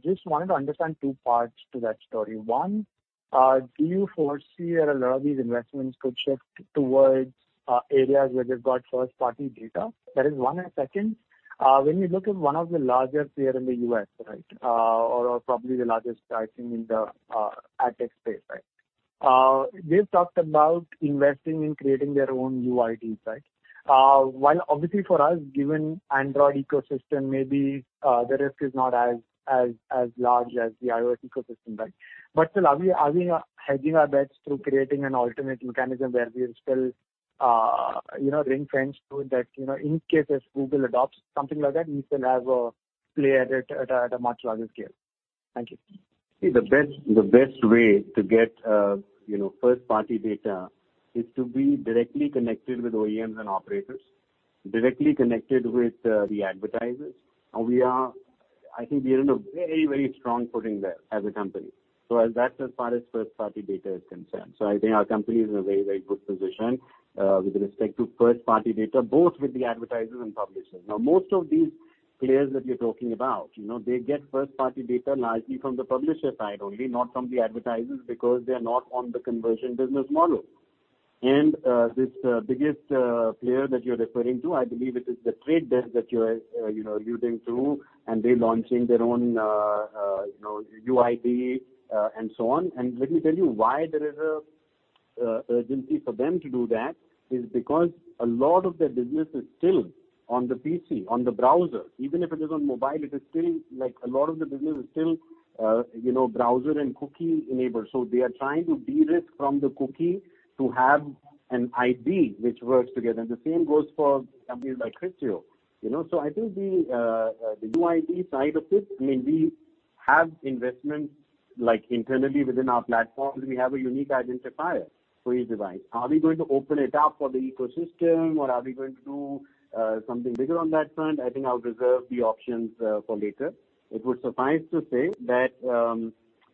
Just wanted to understand two parts to that story. One, do you foresee that a lot of these investments could shift towards areas where they've got first-party data? That is one. Second, when you look at one of the largest player in the U.S., or probably the largest, I think, in the ad tech space. They've talked about investing in creating their own UIDs. While obviously for us, given Android ecosystem, maybe the risk is not as large as the iOS ecosystem. Still, are we hedging our bets through creating an alternate mechanism where we are still ring-fenced so that, in case if Google adopts something like that, we still have a play at a much larger scale? Thank you. See, the best way to get first-party data is to be directly connected with OEMs and operators, directly connected with the advertisers. I think we are in a very strong footing there as a company. That's as far as first-party data is concerned. I think our company is in a very good position with respect to first-party data, both with the advertisers and publishers. Now, most of these players that you're talking about, they get first-party data largely from the publisher side only, not from the advertisers, because they're not on the conversion business model. This biggest player that you're referring to, I believe it is The Trade Desk that you're alluding to, and they're launching their own UID and so on. Let me tell you why there is a urgency for them to do that is because a lot of their business is still on the PC, on the browser. Even if it is on mobile, a lot of the business is still browser and cookie-enabled. They are trying to de-risk from the cookie to have an ID which works together. The same goes for companies like Criteo. I think the UID side of it, we have investments internally within our platforms. We have a unique identifier for each device. Are we going to open it up for the ecosystem, or are we going to do something bigger on that front? I think I'll reserve the options for later. It would suffice to say that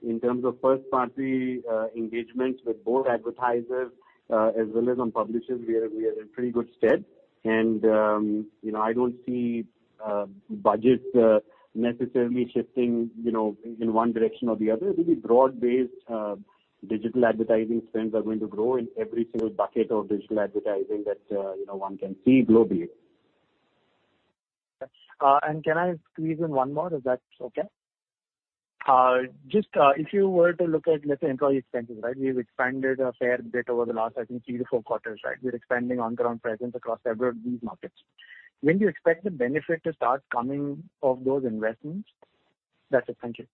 in terms of first-party engagements with both advertisers as well as on publishers, we are in pretty good stead. I don't see budgets necessarily shifting in one direction or the other. I think broad-based digital advertising spends are going to grow in every single bucket of digital advertising that one can see globally. Can I squeeze in one more? Is that okay? Just if you were to look at, let's say, employee expenses. We've expanded a fair bit over the last, I think, three to four quarters. We're expanding on-ground presence across several of these markets. When do you expect the benefit to start coming of those investments? That's it. Thank you.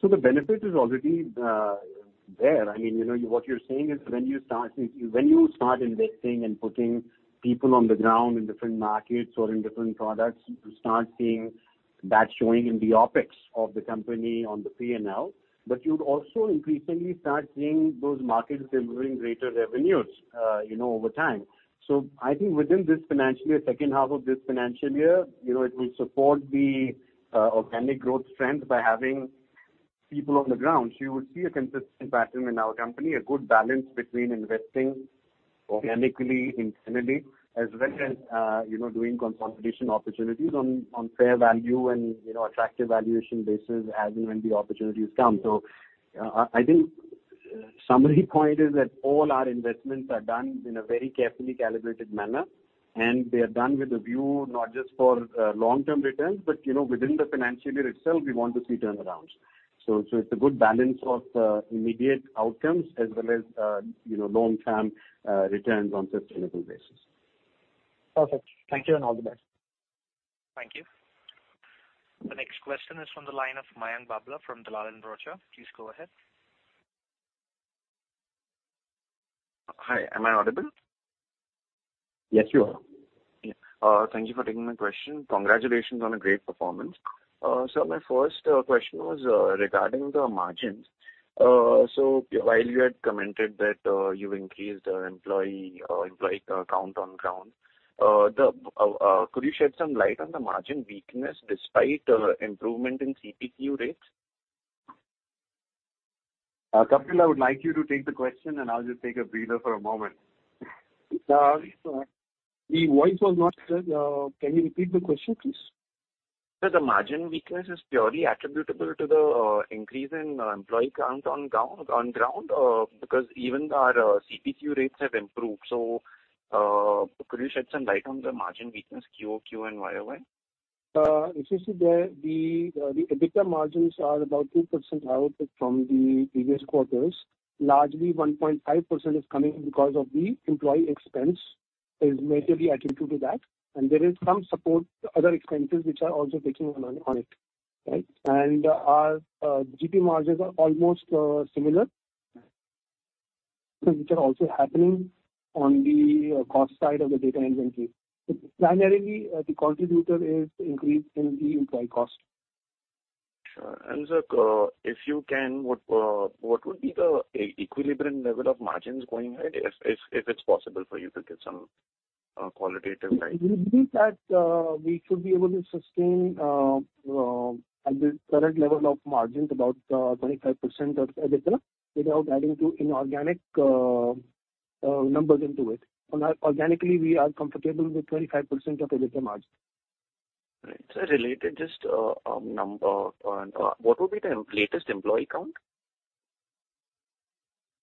The benefit is already there. What you're saying is when you start investing and putting people on the ground in different markets or in different products, you start seeing that showing in the OpEx of the company on the P&L. You'd also increasingly start seeing those markets delivering greater revenues over time. I think within this financial year, second half of this financial year, it will support the organic growth trend by having people on the ground. You would see a consistent pattern in our company, a good balance between investing organically, internally, as well as doing consolidation opportunities on fair value and attractive valuation basis as and when the opportunities come. I think. Summary point is that all our investments are done in a very carefully calibrated manner, and they are done with a view not just for long-term returns, but within the financial year itself, we want to see turnarounds. It's a good balance of immediate outcomes as well as long-term returns on sustainable basis. Perfect. Thank you, and all the best. Thank you. The next question is from the line of Mayank Babla from Dalal & Broacha. Please go ahead. Hi, am I audible? Yes, you are. Thank you for taking my question. Congratulations on a great performance. Sir, my first question was regarding the margins. While you had commented that you've increased employee count on ground, could you shed some light on the margin weakness despite improvement in CPCU rates? Kapil, I would like you to take the question, and I'll just take a breather for a moment. The voice was not clear. Can you repeat the question, please? Sir, the margin weakness is purely attributable to the increase in employee count on ground because even our CPCU rates have improved. Could you shed some light on the margin weakness Q-over-Q and Y-over-Y? If you see there, the EBITDA margins are about 2% out from the previous quarters. Largely 1.5% is coming because of the employee expense, is majorly attributed to that, and there is some support other expenses which are also taking on it. Right? Our GP margins are almost similar, which are also happening on the cost side of the data inventory. Primarily, the contributor is increase in the employee cost. Sure. sir, if you can, what would be the equilibrium level of margins going ahead, if it's possible for you to give some qualitative guide? We believe that we should be able to sustain at the current level of margins, about 25% of EBITDA without adding to inorganic numbers into it. Organically, we are comfortable with 25% of EBITDA margin. Right. Sir, related, just a number. What would be the latest employee count?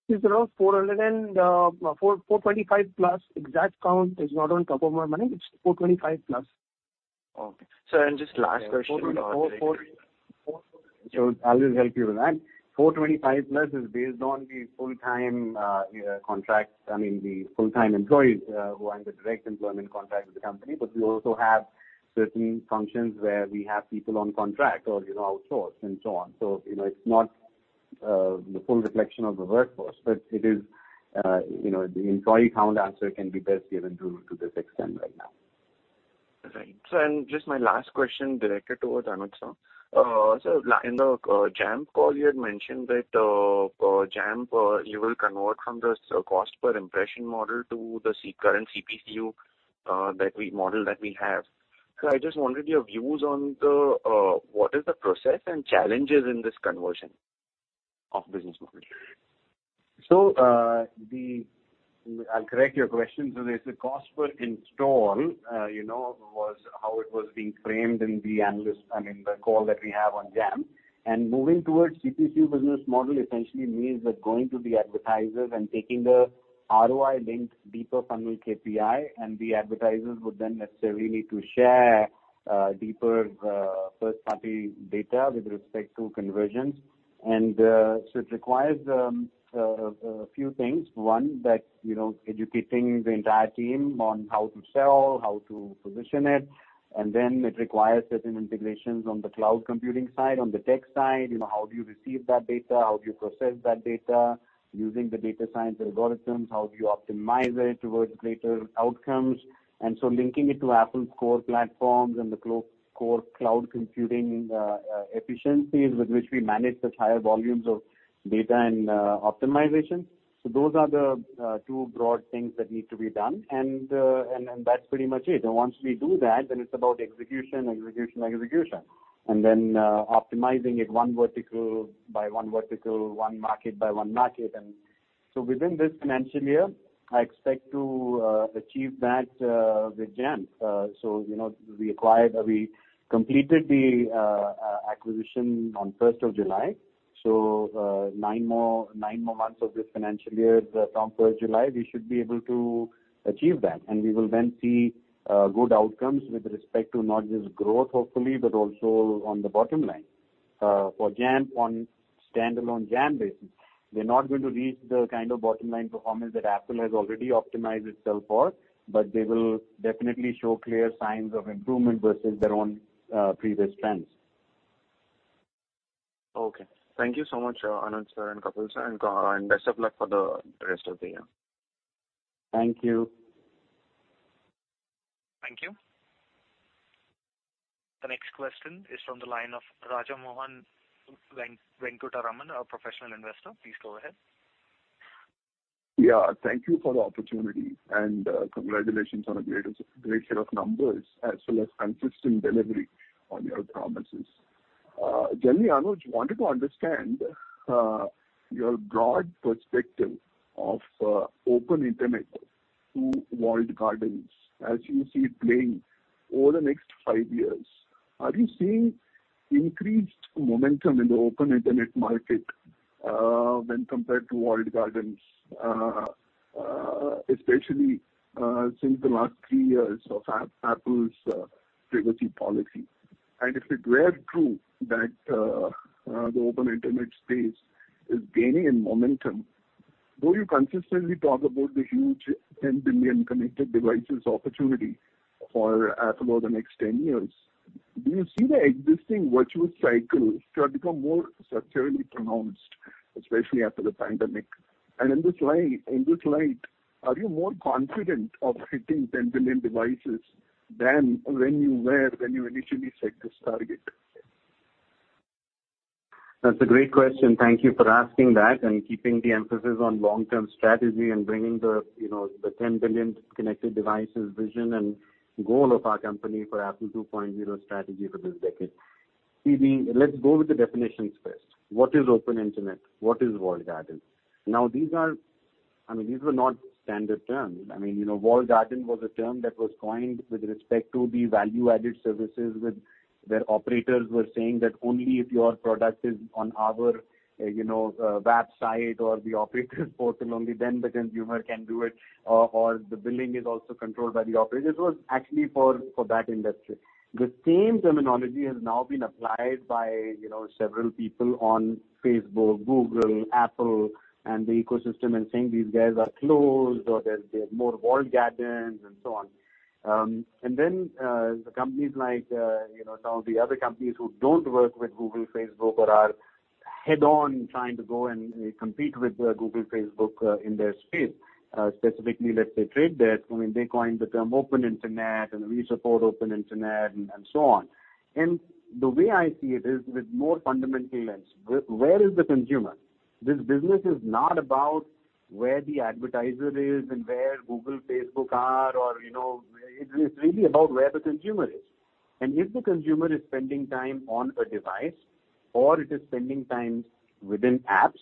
It's around 425 plus. Exact count is not on top of my mind. It's 425 plus. Okay. Sir, just last question- I'll just help you with that. 425 plus is based on the full-time employees who are under direct employment contract with the company. We also have certain functions where we have people on contract or outsource and so on. It's not the full reflection of the workforce, but the employee count answer can be best given to this extent right now. Right. Sir, just my last question directed towards Anuj Sir. Sir, in the Jampp call, you had mentioned that Jampp, you will convert from the cost per impression model to the current CPCU model that we have. Sir, I just wanted your views on what is the process and challenges in this conversion of business model. I'll correct your question. there's a cost per install, was how it was being framed in the call that we have on Jampp. moving towards CPCU business model essentially means that going to the advertisers and taking the ROI linked deeper funnel KPI, and the advertisers would then necessarily need to share deeper first-party data with respect to conversions. it requires a few things. One, that educating the entire team on how to sell, how to position it, and then it requires certain integrations on the cloud computing side, on the tech side, how do you receive that data? How do you process that data using the data science algorithms? How do you optimize it towards greater outcomes? Linking it to Affle's core platforms and the core cloud computing efficiencies with which we manage such higher volumes of data and optimization. Those are the two broad things that need to be done, and that's pretty much it. Once we do that, then it's about execution. Optimizing it one vertical by one vertical, one market by one market. Within this financial year, I expect to achieve that with Jampp. We completed the acquisition on 1st of July. Nine more months of this financial year from 1st July, we should be able to achieve that. We will then see good outcomes with respect to not just growth, hopefully, but also on the bottom line. For Jampp, on standalone Jampp basis, we're not going to reach the kind of bottom-line performance that Affle has already optimized itself for, but they will definitely show clear signs of improvement versus their own previous trends. Okay. Thank you so much, Anuj sir and Kapil sir, and best of luck for the rest of the year. Thank you. Thank you. The next question is from the line of Rajamohan Venkataraman, a professional investor. Please go ahead. Yeah. Thank you for the opportunity, and congratulations on a great set of numbers as well as consistent delivery on your promises. Generally, Anuj, I wanted to understand your broad perspective of open internet to walled gardens, as you see it playing over the next five years, are you seeing increased momentum in the open internet market, when compared to walled gardens? Especially, since the last three years of Affle's privacy policy. If it were true that the open internet space is gaining in momentum, though you consistently talk about the huge 10 billion connected devices opportunity for Affle over the next 10 years, do you see the existing virtuous cycle to have become more structurally pronounced, especially after the pandemic? In this light, are you more confident of hitting 10 billion devices than when you were, when you initially set this target? That's a great question. Thank you for asking that and keeping the emphasis on long-term strategy and bringing the 10 billion connected devices vision and goal of our company for Affle 2.0 strategy for this decade. [audio distortion] let's go with the definitions first. What is open internet? What is walled garden? Now, these were not standard terms. Walled garden was a term that was coined with respect to the value-added services where operators were saying that only if your product is on our website or the operator's portal, only then the consumer can do it or the billing is also controlled by the operator. This was actually for that industry. The same terminology has now been applied by several people on Facebook, Google, Apple, and the ecosystem, and saying these guys are closed or they're more walled gardens, and so on. The companies like some of the other companies who don't work with Google, Facebook, or are head-on trying to go and compete with Google, Facebook in their space, specifically, let's say Trade Desk, they coined the term open internet, and we support open internet, and so on. The way I see it is with more fundamental lens. Where is the consumer? This business is not about where the advertiser is and where Google, Facebook are. It's really about where the consumer is. If the consumer is spending time on a device, or it is spending time within apps,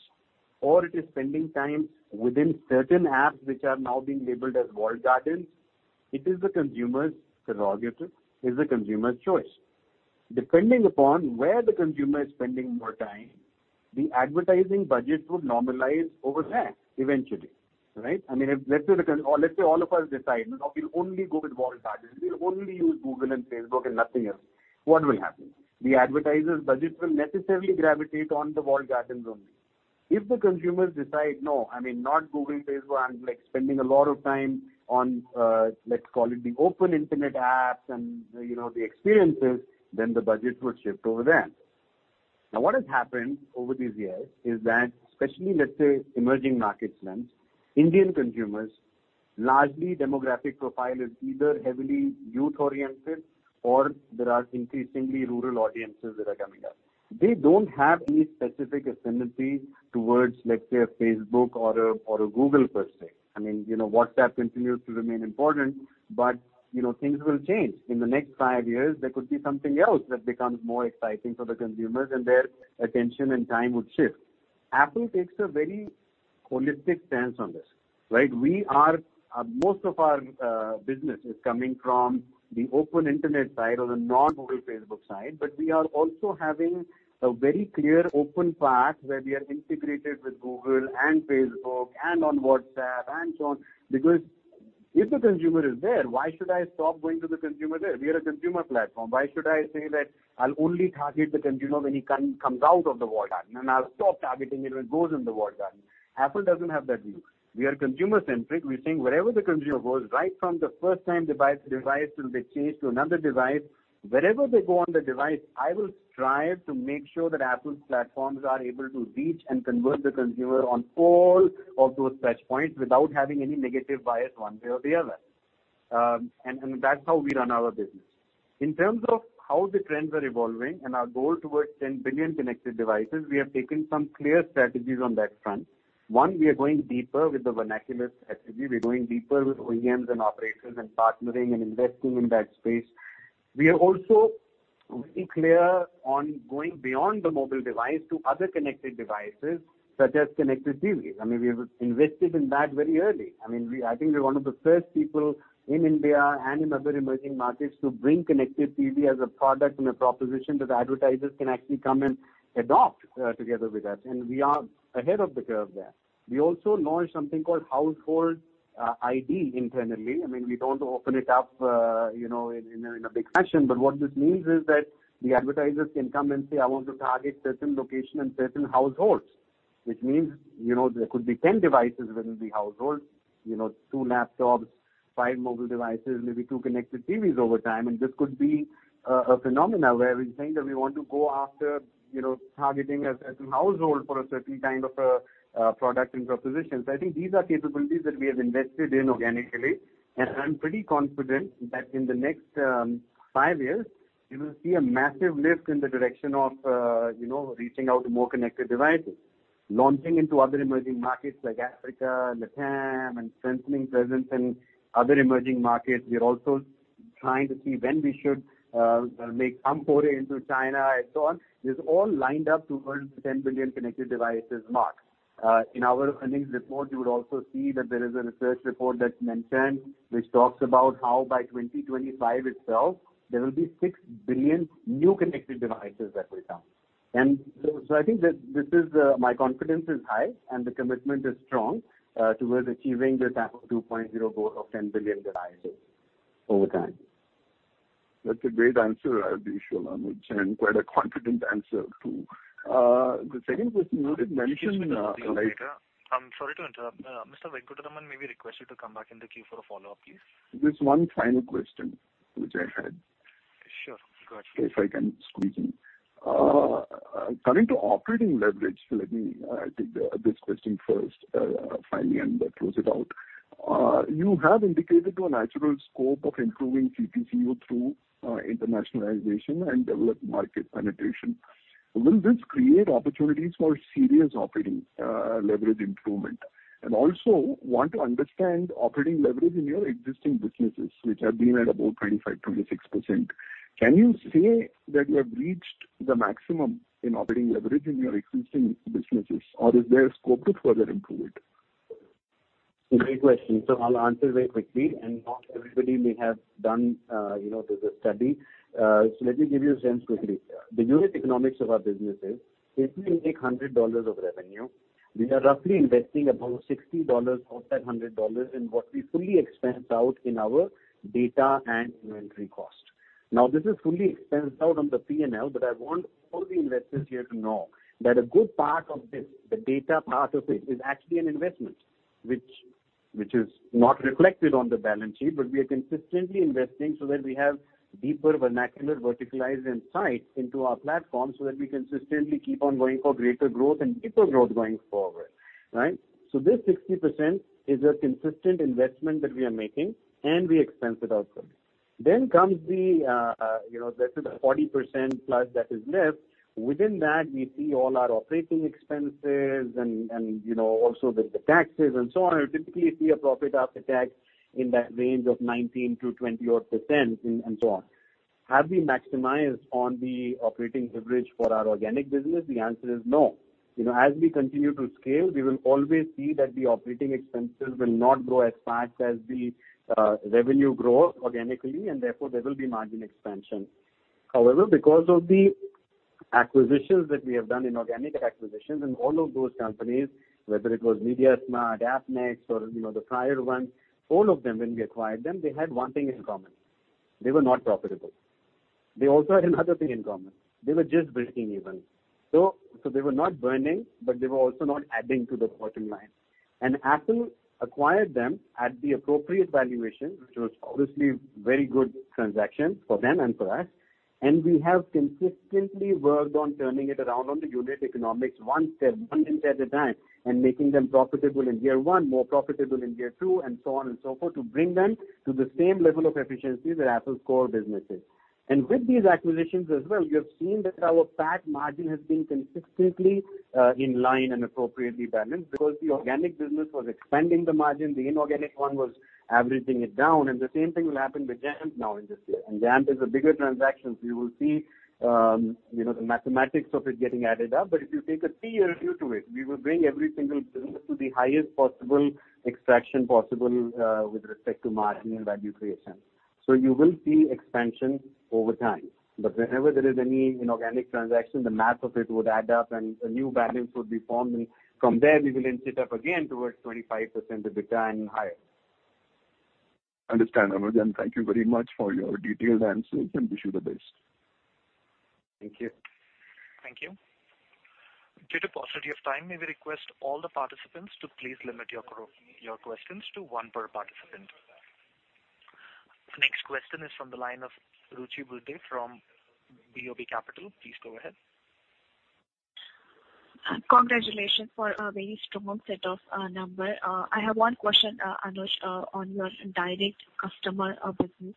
or it is spending time within certain apps which are now being labeled as walled gardens, it is the consumer's prerogative, it's the consumer's choice. Depending upon where the consumer is spending more time, the advertising budget would normalize over there eventually, right? Let's say all of us decide, we'll only go with walled gardens. We'll only use Google and Facebook and nothing else. What will happen? The advertiser's budget will necessarily gravitate on the walled gardens only. If the consumers decide, no, not Google, Facebook, I'm spending a lot of time on, let's call it the open internet apps and the experiences, then the budget would shift over there. Now, what has happened over these years is that, especially, let's say emerging markets lens, Indian consumers, largely demographic profile is either heavily youth-oriented or there are increasingly rural audiences that are coming up. They don't have any specific ascendancy towards, let's say, a Facebook or a Google per se. WhatsApp continues to remain important, but things will change. In the next five years, there could be something else that becomes more exciting for the consumers, and their attention and time would shift. Affle takes a very holistic stance on this. Right? Most of our business is coming from the open internet side or the non-Google, Facebook side. We are also having a very clear open path where we are integrated with Google and Facebook and on WhatsApp and so on. Because if the consumer is there, why should I stop going to the consumer there? We are a consumer platform. Why should I say that I'll only target the consumer when he comes out of the walled garden, and I'll stop targeting him when he goes in the walled garden. Affle doesn't have that view. We are consumer-centric. We're saying wherever the consumer goes, right from the first-time device till they change to another device, wherever they go on the device, I will strive to make sure that Affle's platforms are able to reach and convert the consumer on all of those touch points without having any negative bias one way or the other. That's how we run our business. In terms of how the trends are evolving and our goal towards 10 billion connected devices, we have taken some clear strategies on that front. One, we are going deeper with the vernacular strategy. We're going deeper with OEMs and operators and partnering and investing in that space. We are also very clear on going beyond the mobile device to other connected devices, such as connected TVs. We've invested in that very early. I think we're one of the first people in India and in other emerging markets to bring connected TV as a product and a proposition that advertisers can actually come and adopt together with us. We are ahead of the curve there. We also launched something called Household ID internally. We don't open it up in a big fashion, but what this means is that the advertisers can come and say, "I want to target certain location and certain households." Which means, there could be 10 devices within the household, two laptops, five mobile devices, maybe two connected TVs over time. This could be a phenomenon where we're saying that we want to go after targeting a certain household for a certain kind of a product and proposition. I think these are capabilities that we have invested in organically, and I'm pretty confident that in the next five years, you will see a massive lift in the direction of reaching out to more connected devices. Launching into other emerging markets like Africa, LATAM, and strengthening presence in other emerging markets. We are also trying to see when we should make some foray into China and so on. It's all lined up towards the 10 billion connected devices mark. In our earnings report, you would also see that there is a research report that's mentioned, which talks about how by 2025 itself, there will be 6 billion new connected devices that will come. I think that my confidence is high and the commitment is strong towards achieving the Affle 2.0 goal of 10 billion devices over time. That's a great answer, Anuj Sohum, and quite a confident answer, too. The second question you did mention- I'm sorry to interrupt. Mr. Venkataraman, may we request you to come back in the queue for a follow-up, please? There's one final question which I had. Sure. Go ahead. If I can squeeze in. Coming to operating leverage, let me take this question first, finally, and close it out. You have indicated to a natural scope of improving CPCU through internationalization and developed market penetration. Will this create opportunities for serious operating leverage improvement? Also, want to understand operating leverage in your existing businesses, which have been at about 25%, 26%. Can you say that you have reached the maximum in operating leverage in your existing businesses, or is there scope to further improve it? Great question. I'll answer very quickly. Not everybody may have done the study. Let me give you a sense quickly. The unit economics of our businesses, if we make INR 100 of revenue, we are roughly investing about INR 60 of that INR 100 in what we fully expense out in our data and inventory cost. Now, this is fully expensed out on the P&L, but I want all the investors here to know that a good part of this, the data part of it, is actually an investment. Which is not reflected on the balance sheet, but we are consistently investing so that we have deeper vernacular verticalized insights into our platform so that we consistently keep on going for greater growth and deeper growth going forward. Right? This 60% is a consistent investment that we are making, and we expense it out fully. Comes the rest of the 40% plus that is left. Within that, we see all our operating expenses and also the taxes and so on. You typically see a profit after tax in the range of 19%-20% odd and so on. Have we maximized on the operating leverage for our organic business? The answer is no. As we continue to scale, we will always see that the operating expenses will not grow as fast as the revenue growth organically, and therefore, there will be margin expansion. However, because of the acquisitions that we have done inorganic acquisitions and all of those companies, whether it was mediasmart, Appnext or the prior ones. All of them, when we acquired them, they had one thing in common. They were not profitable, they also had another thing in common, they were just breaking even. they were not burning, but they were also not adding to the bottom line. Affle acquired them at the appropriate valuation, which was obviously a very good transaction for them and for us. we have consistently worked on turning it around on the unit economics one step, one inch at a time, and making them profitable in year one, more profitable in year two, and so on and so forth, to bring them to the same level of efficiency that Affle's core business is. with these acquisitions as well, you have seen that our PAT margin has been consistently in line and appropriately balanced because the organic business was expanding the margin, the inorganic one was averaging it down, and the same thing will happen with Jampp now in this year. Jampp is a bigger transaction, so you will see the mathematics of it getting added up. if you take a three-year view to it, we will bring every single business to the highest possible extraction possible with respect to margin and value creation. You will see expansion over time, whenever there is any inorganic transaction, the math of it would add up and a new balance would be formed, and from there, we will inch it up again towards 25% EBITDA and higher. Understand, Anuj, thank you very much for your detailed answers, and wish you the best. Thank you. Thank you. Due to paucity of time, may we request all the participants to please limit your questions to one per participant. Next question is from the line of Ruchi Burde from BOB Capital. Please go ahead. Congratulations for a very strong set of numbers. I have one question, Anuj, on your direct customer business.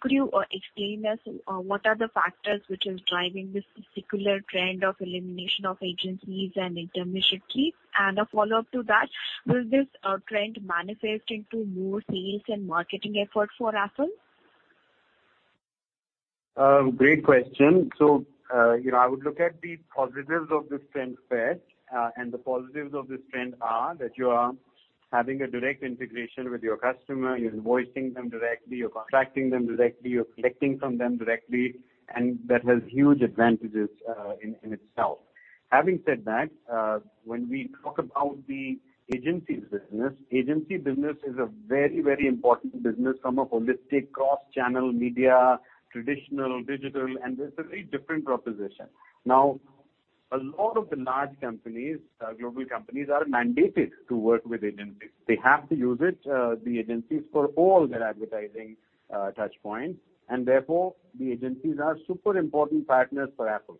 Could you explain us what are the factors which are driving this particular trend of elimination of agencies and intermediary? A follow-up to that, will this trend manifest into more sales and marketing efforts for Affle? Great question. I would look at the positives of this trend first, and the positives of this trend are that you are having a direct integration with your customer, you're invoicing them directly, you're contracting them directly, you're collecting from them directly, and that has huge advantages in itself. Having said that, when we talk about the agencies business, agency business is a very important business, some of holistic cross-channel media, traditional, digital, and there's a very different proposition. Now, a lot of the large companies, global companies, are mandated to work with agencies. They have to use it, the agencies, for all their advertising touchpoints, and therefore, the agencies are super important partners for Affle.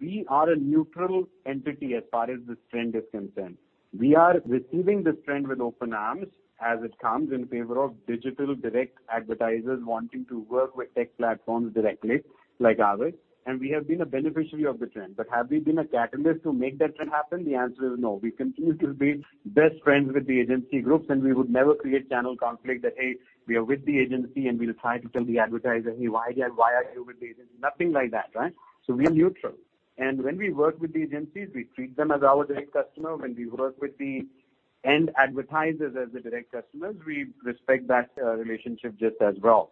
We are a neutral entity as far as this trend is concerned. We are receiving this trend with open arms as it comes in favor of digital direct advertisers wanting to work with tech platforms directly like ours, and we have been a beneficiary of the trend. Have we been a catalyst to make that trend happen? The answer is no. We continue to be best friends with the agency groups, and we would never create channel conflict that, hey, we are with the agency, and we'll try to tell the advertiser, "Hey, why are you with the agency?" Nothing like that. Right? We are neutral. When we work with the agencies, we treat them as our direct customer. When we work with the advertisers as the direct customers, we respect that relationship just as well.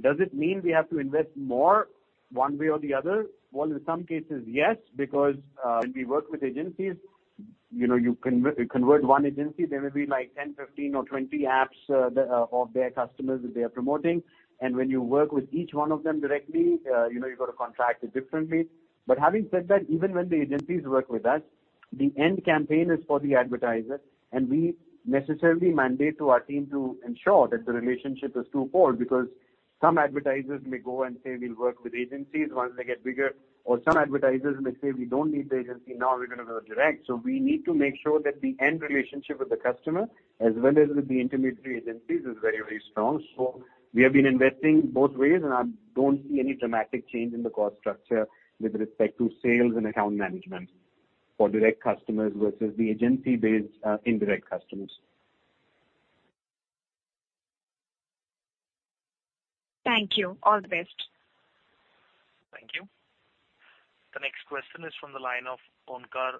Does it mean we have to invest more one way or the other? Well, in some cases, yes, because when we work with agencies, you convert one agency, there may be 10, 15 or 20 apps of their customers that they are promoting. When you work with each one of them directly, you've got to contract it differently. Having said that, even when the agencies work with us, the end campaign is for the advertiser, and we necessarily mandate to our team to ensure that the relationship is two-fold because some advertisers may go and say, "We'll work with agencies once they get bigger." Some advertisers may say, "We don't need the agency now, we're going to go direct." We need to make sure that the end relationship with the customer, as well as with the intermediary agencies, is very, very strong. We have been investing both ways, and I don't see any dramatic change in the cost structure with respect to sales and account management for direct customers versus the agency-based indirect customers. Thank you. All the best. Thank you. The next question is from the line of Ponkar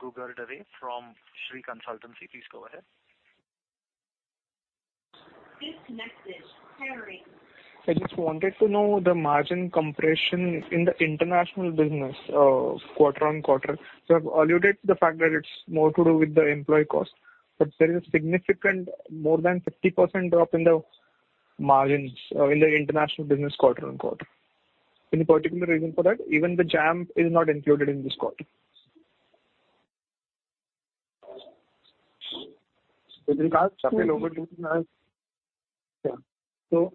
Gogardare from Shree Consultancy. Please go ahead. I just wanted to know the margin compression in the international business quarter-over-quarter. You have alluded to the fact that it's more to do with the employee cost, but there is a significant more than 50% drop in the margins in the international business quarter-over-quarter. Any particular reason for that? Even the Jampp is not included in this quarter. With regards to- Yeah.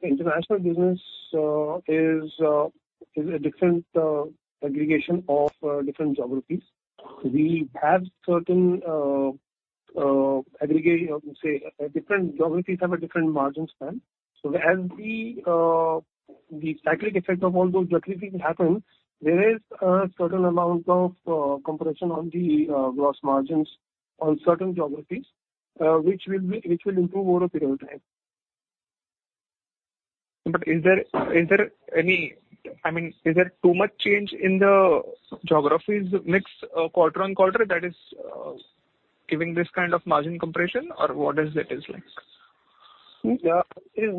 international business is a different aggregation of different geographies. Different geographies have a different margin span. As the cyclic effect of all those geographies happen, there is a certain amount of compression on the gross margins on certain geographies, which will improve over a period of time. Is there too much change in the geographies mix quarter on quarter that is giving this kind of margin compression, or what is it like? It is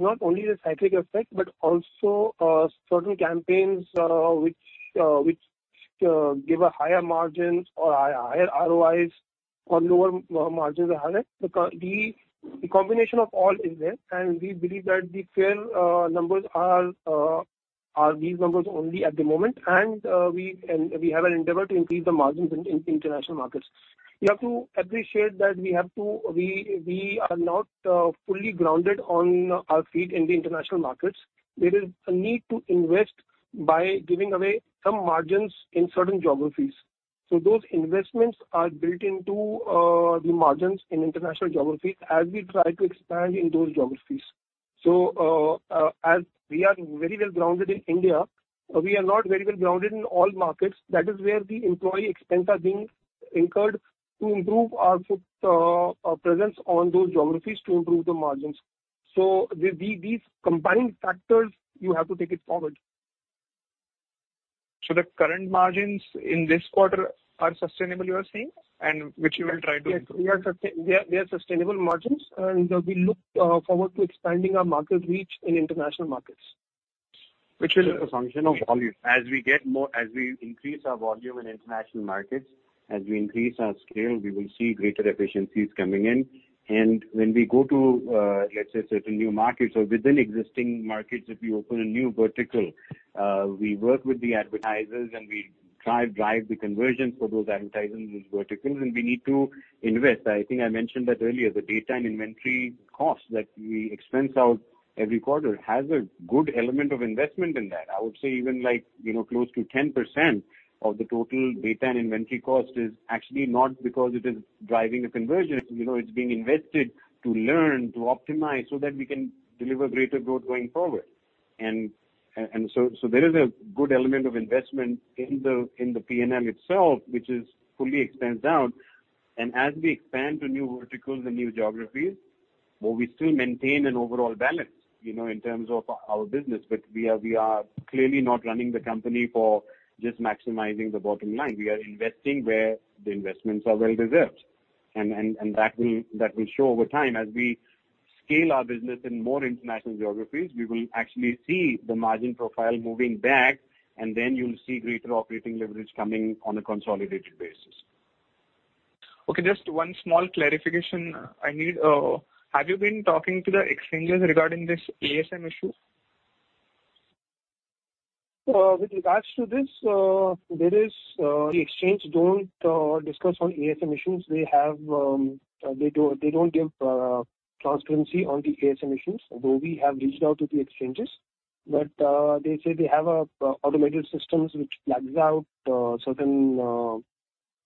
not only the cyclic effect, but also certain campaigns which give a higher margins or higher ROIs or lower margins are higher. The combination of all is there, and we believe that the fair numbers are these numbers only at the moment. We have an endeavor to increase the margins in international markets. You have to appreciate that we are not fully grounded on our feet in the international markets. There is a need to invest by giving away some margins in certain geographies. Those investments are built into the margins in international geographies as we try to expand in those geographies. As we are very well-grounded in India, we are not very well-grounded in all markets. That is where the employee expense are being incurred to improve our foot presence on those geographies to improve the margins. These combined factors, you have to take it forward. The current margins in this quarter are sustainable, you are saying? Which you will try to improve. They are sustainable margins, and we look forward to expanding our market reach in international markets. Which is a function of volume. As we increase our volume in international markets, as we increase our scale, we will see greater efficiencies coming in. When we go to, let's say, certain new markets or within existing markets, if we open a new vertical, we work with the advertisers and we try drive the conversion for those advertisers in these verticals, and we need to invest. I think I mentioned that earlier. The data and inventory cost that we expense out every quarter has a good element of investment in that. I would say even close to 10% of the total data and inventory cost is actually not because it is driving a conversion. It's being invested to learn, to optimize so that we can deliver greater growth going forward. There is a good element of investment in the P&L itself, which is fully expensed out. As we expand to new verticals and new geographies, but we still maintain an overall balance in terms of our business. We are clearly not running the company for just maximizing the bottom line. We are investing where the investments are well deserved. That will show over time. As we scale our business in more international geographies, we will actually see the margin profile moving back, and then you'll see greater operating leverage coming on a consolidated basis. Okay, just one small clarification I need. Have you been talking to the exchanges regarding this ASM issue? With regards to this, the exchange don't discuss on ASM issues. They don't give transparency on the ASM issues, although we have reached out to the exchanges. They say they have automated systems which flags out certain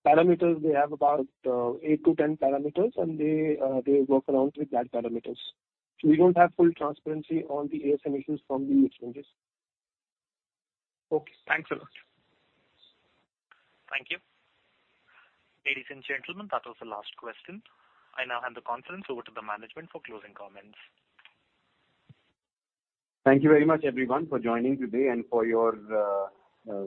parameters. They have about 8 to 10 parameters, and they work around with that parameters. We don't have full transparency on the ASM issues from the exchanges. Okay. Thanks a lot. Thank you. Ladies and gentlemen, that was the last question. I now hand the conference over to the management for closing comments. Thank you very much, everyone, for joining today and for your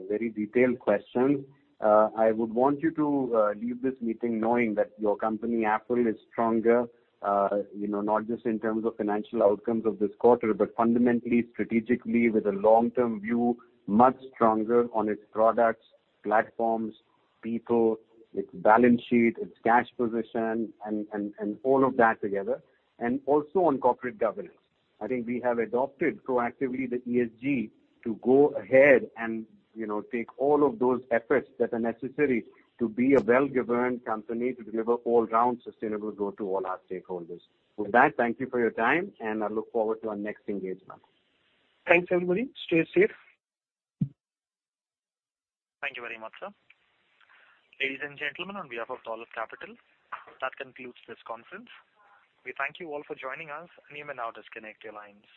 very detailed questions. I would want you to leave this meeting knowing that your company, Affle, is stronger, not just in terms of financial outcomes of this quarter, but fundamentally, strategically, with a long-term view, much stronger on its products, platforms, people, its balance sheet, its cash position and all of that together. Also on corporate governance. I think we have adopted proactively the ESG to go ahead and take all of those efforts that are necessary to be a well-governed company, to deliver all-round sustainable growth to all our stakeholders. With that, thank you for your time, and I look forward to our next engagement. Thanks, everybody. Stay safe. Thank you very much, sir. Ladies and gentlemen, on behalf of Dolat Capital, that concludes this conference. We thank you all for joining us, and you may now disconnect your lines.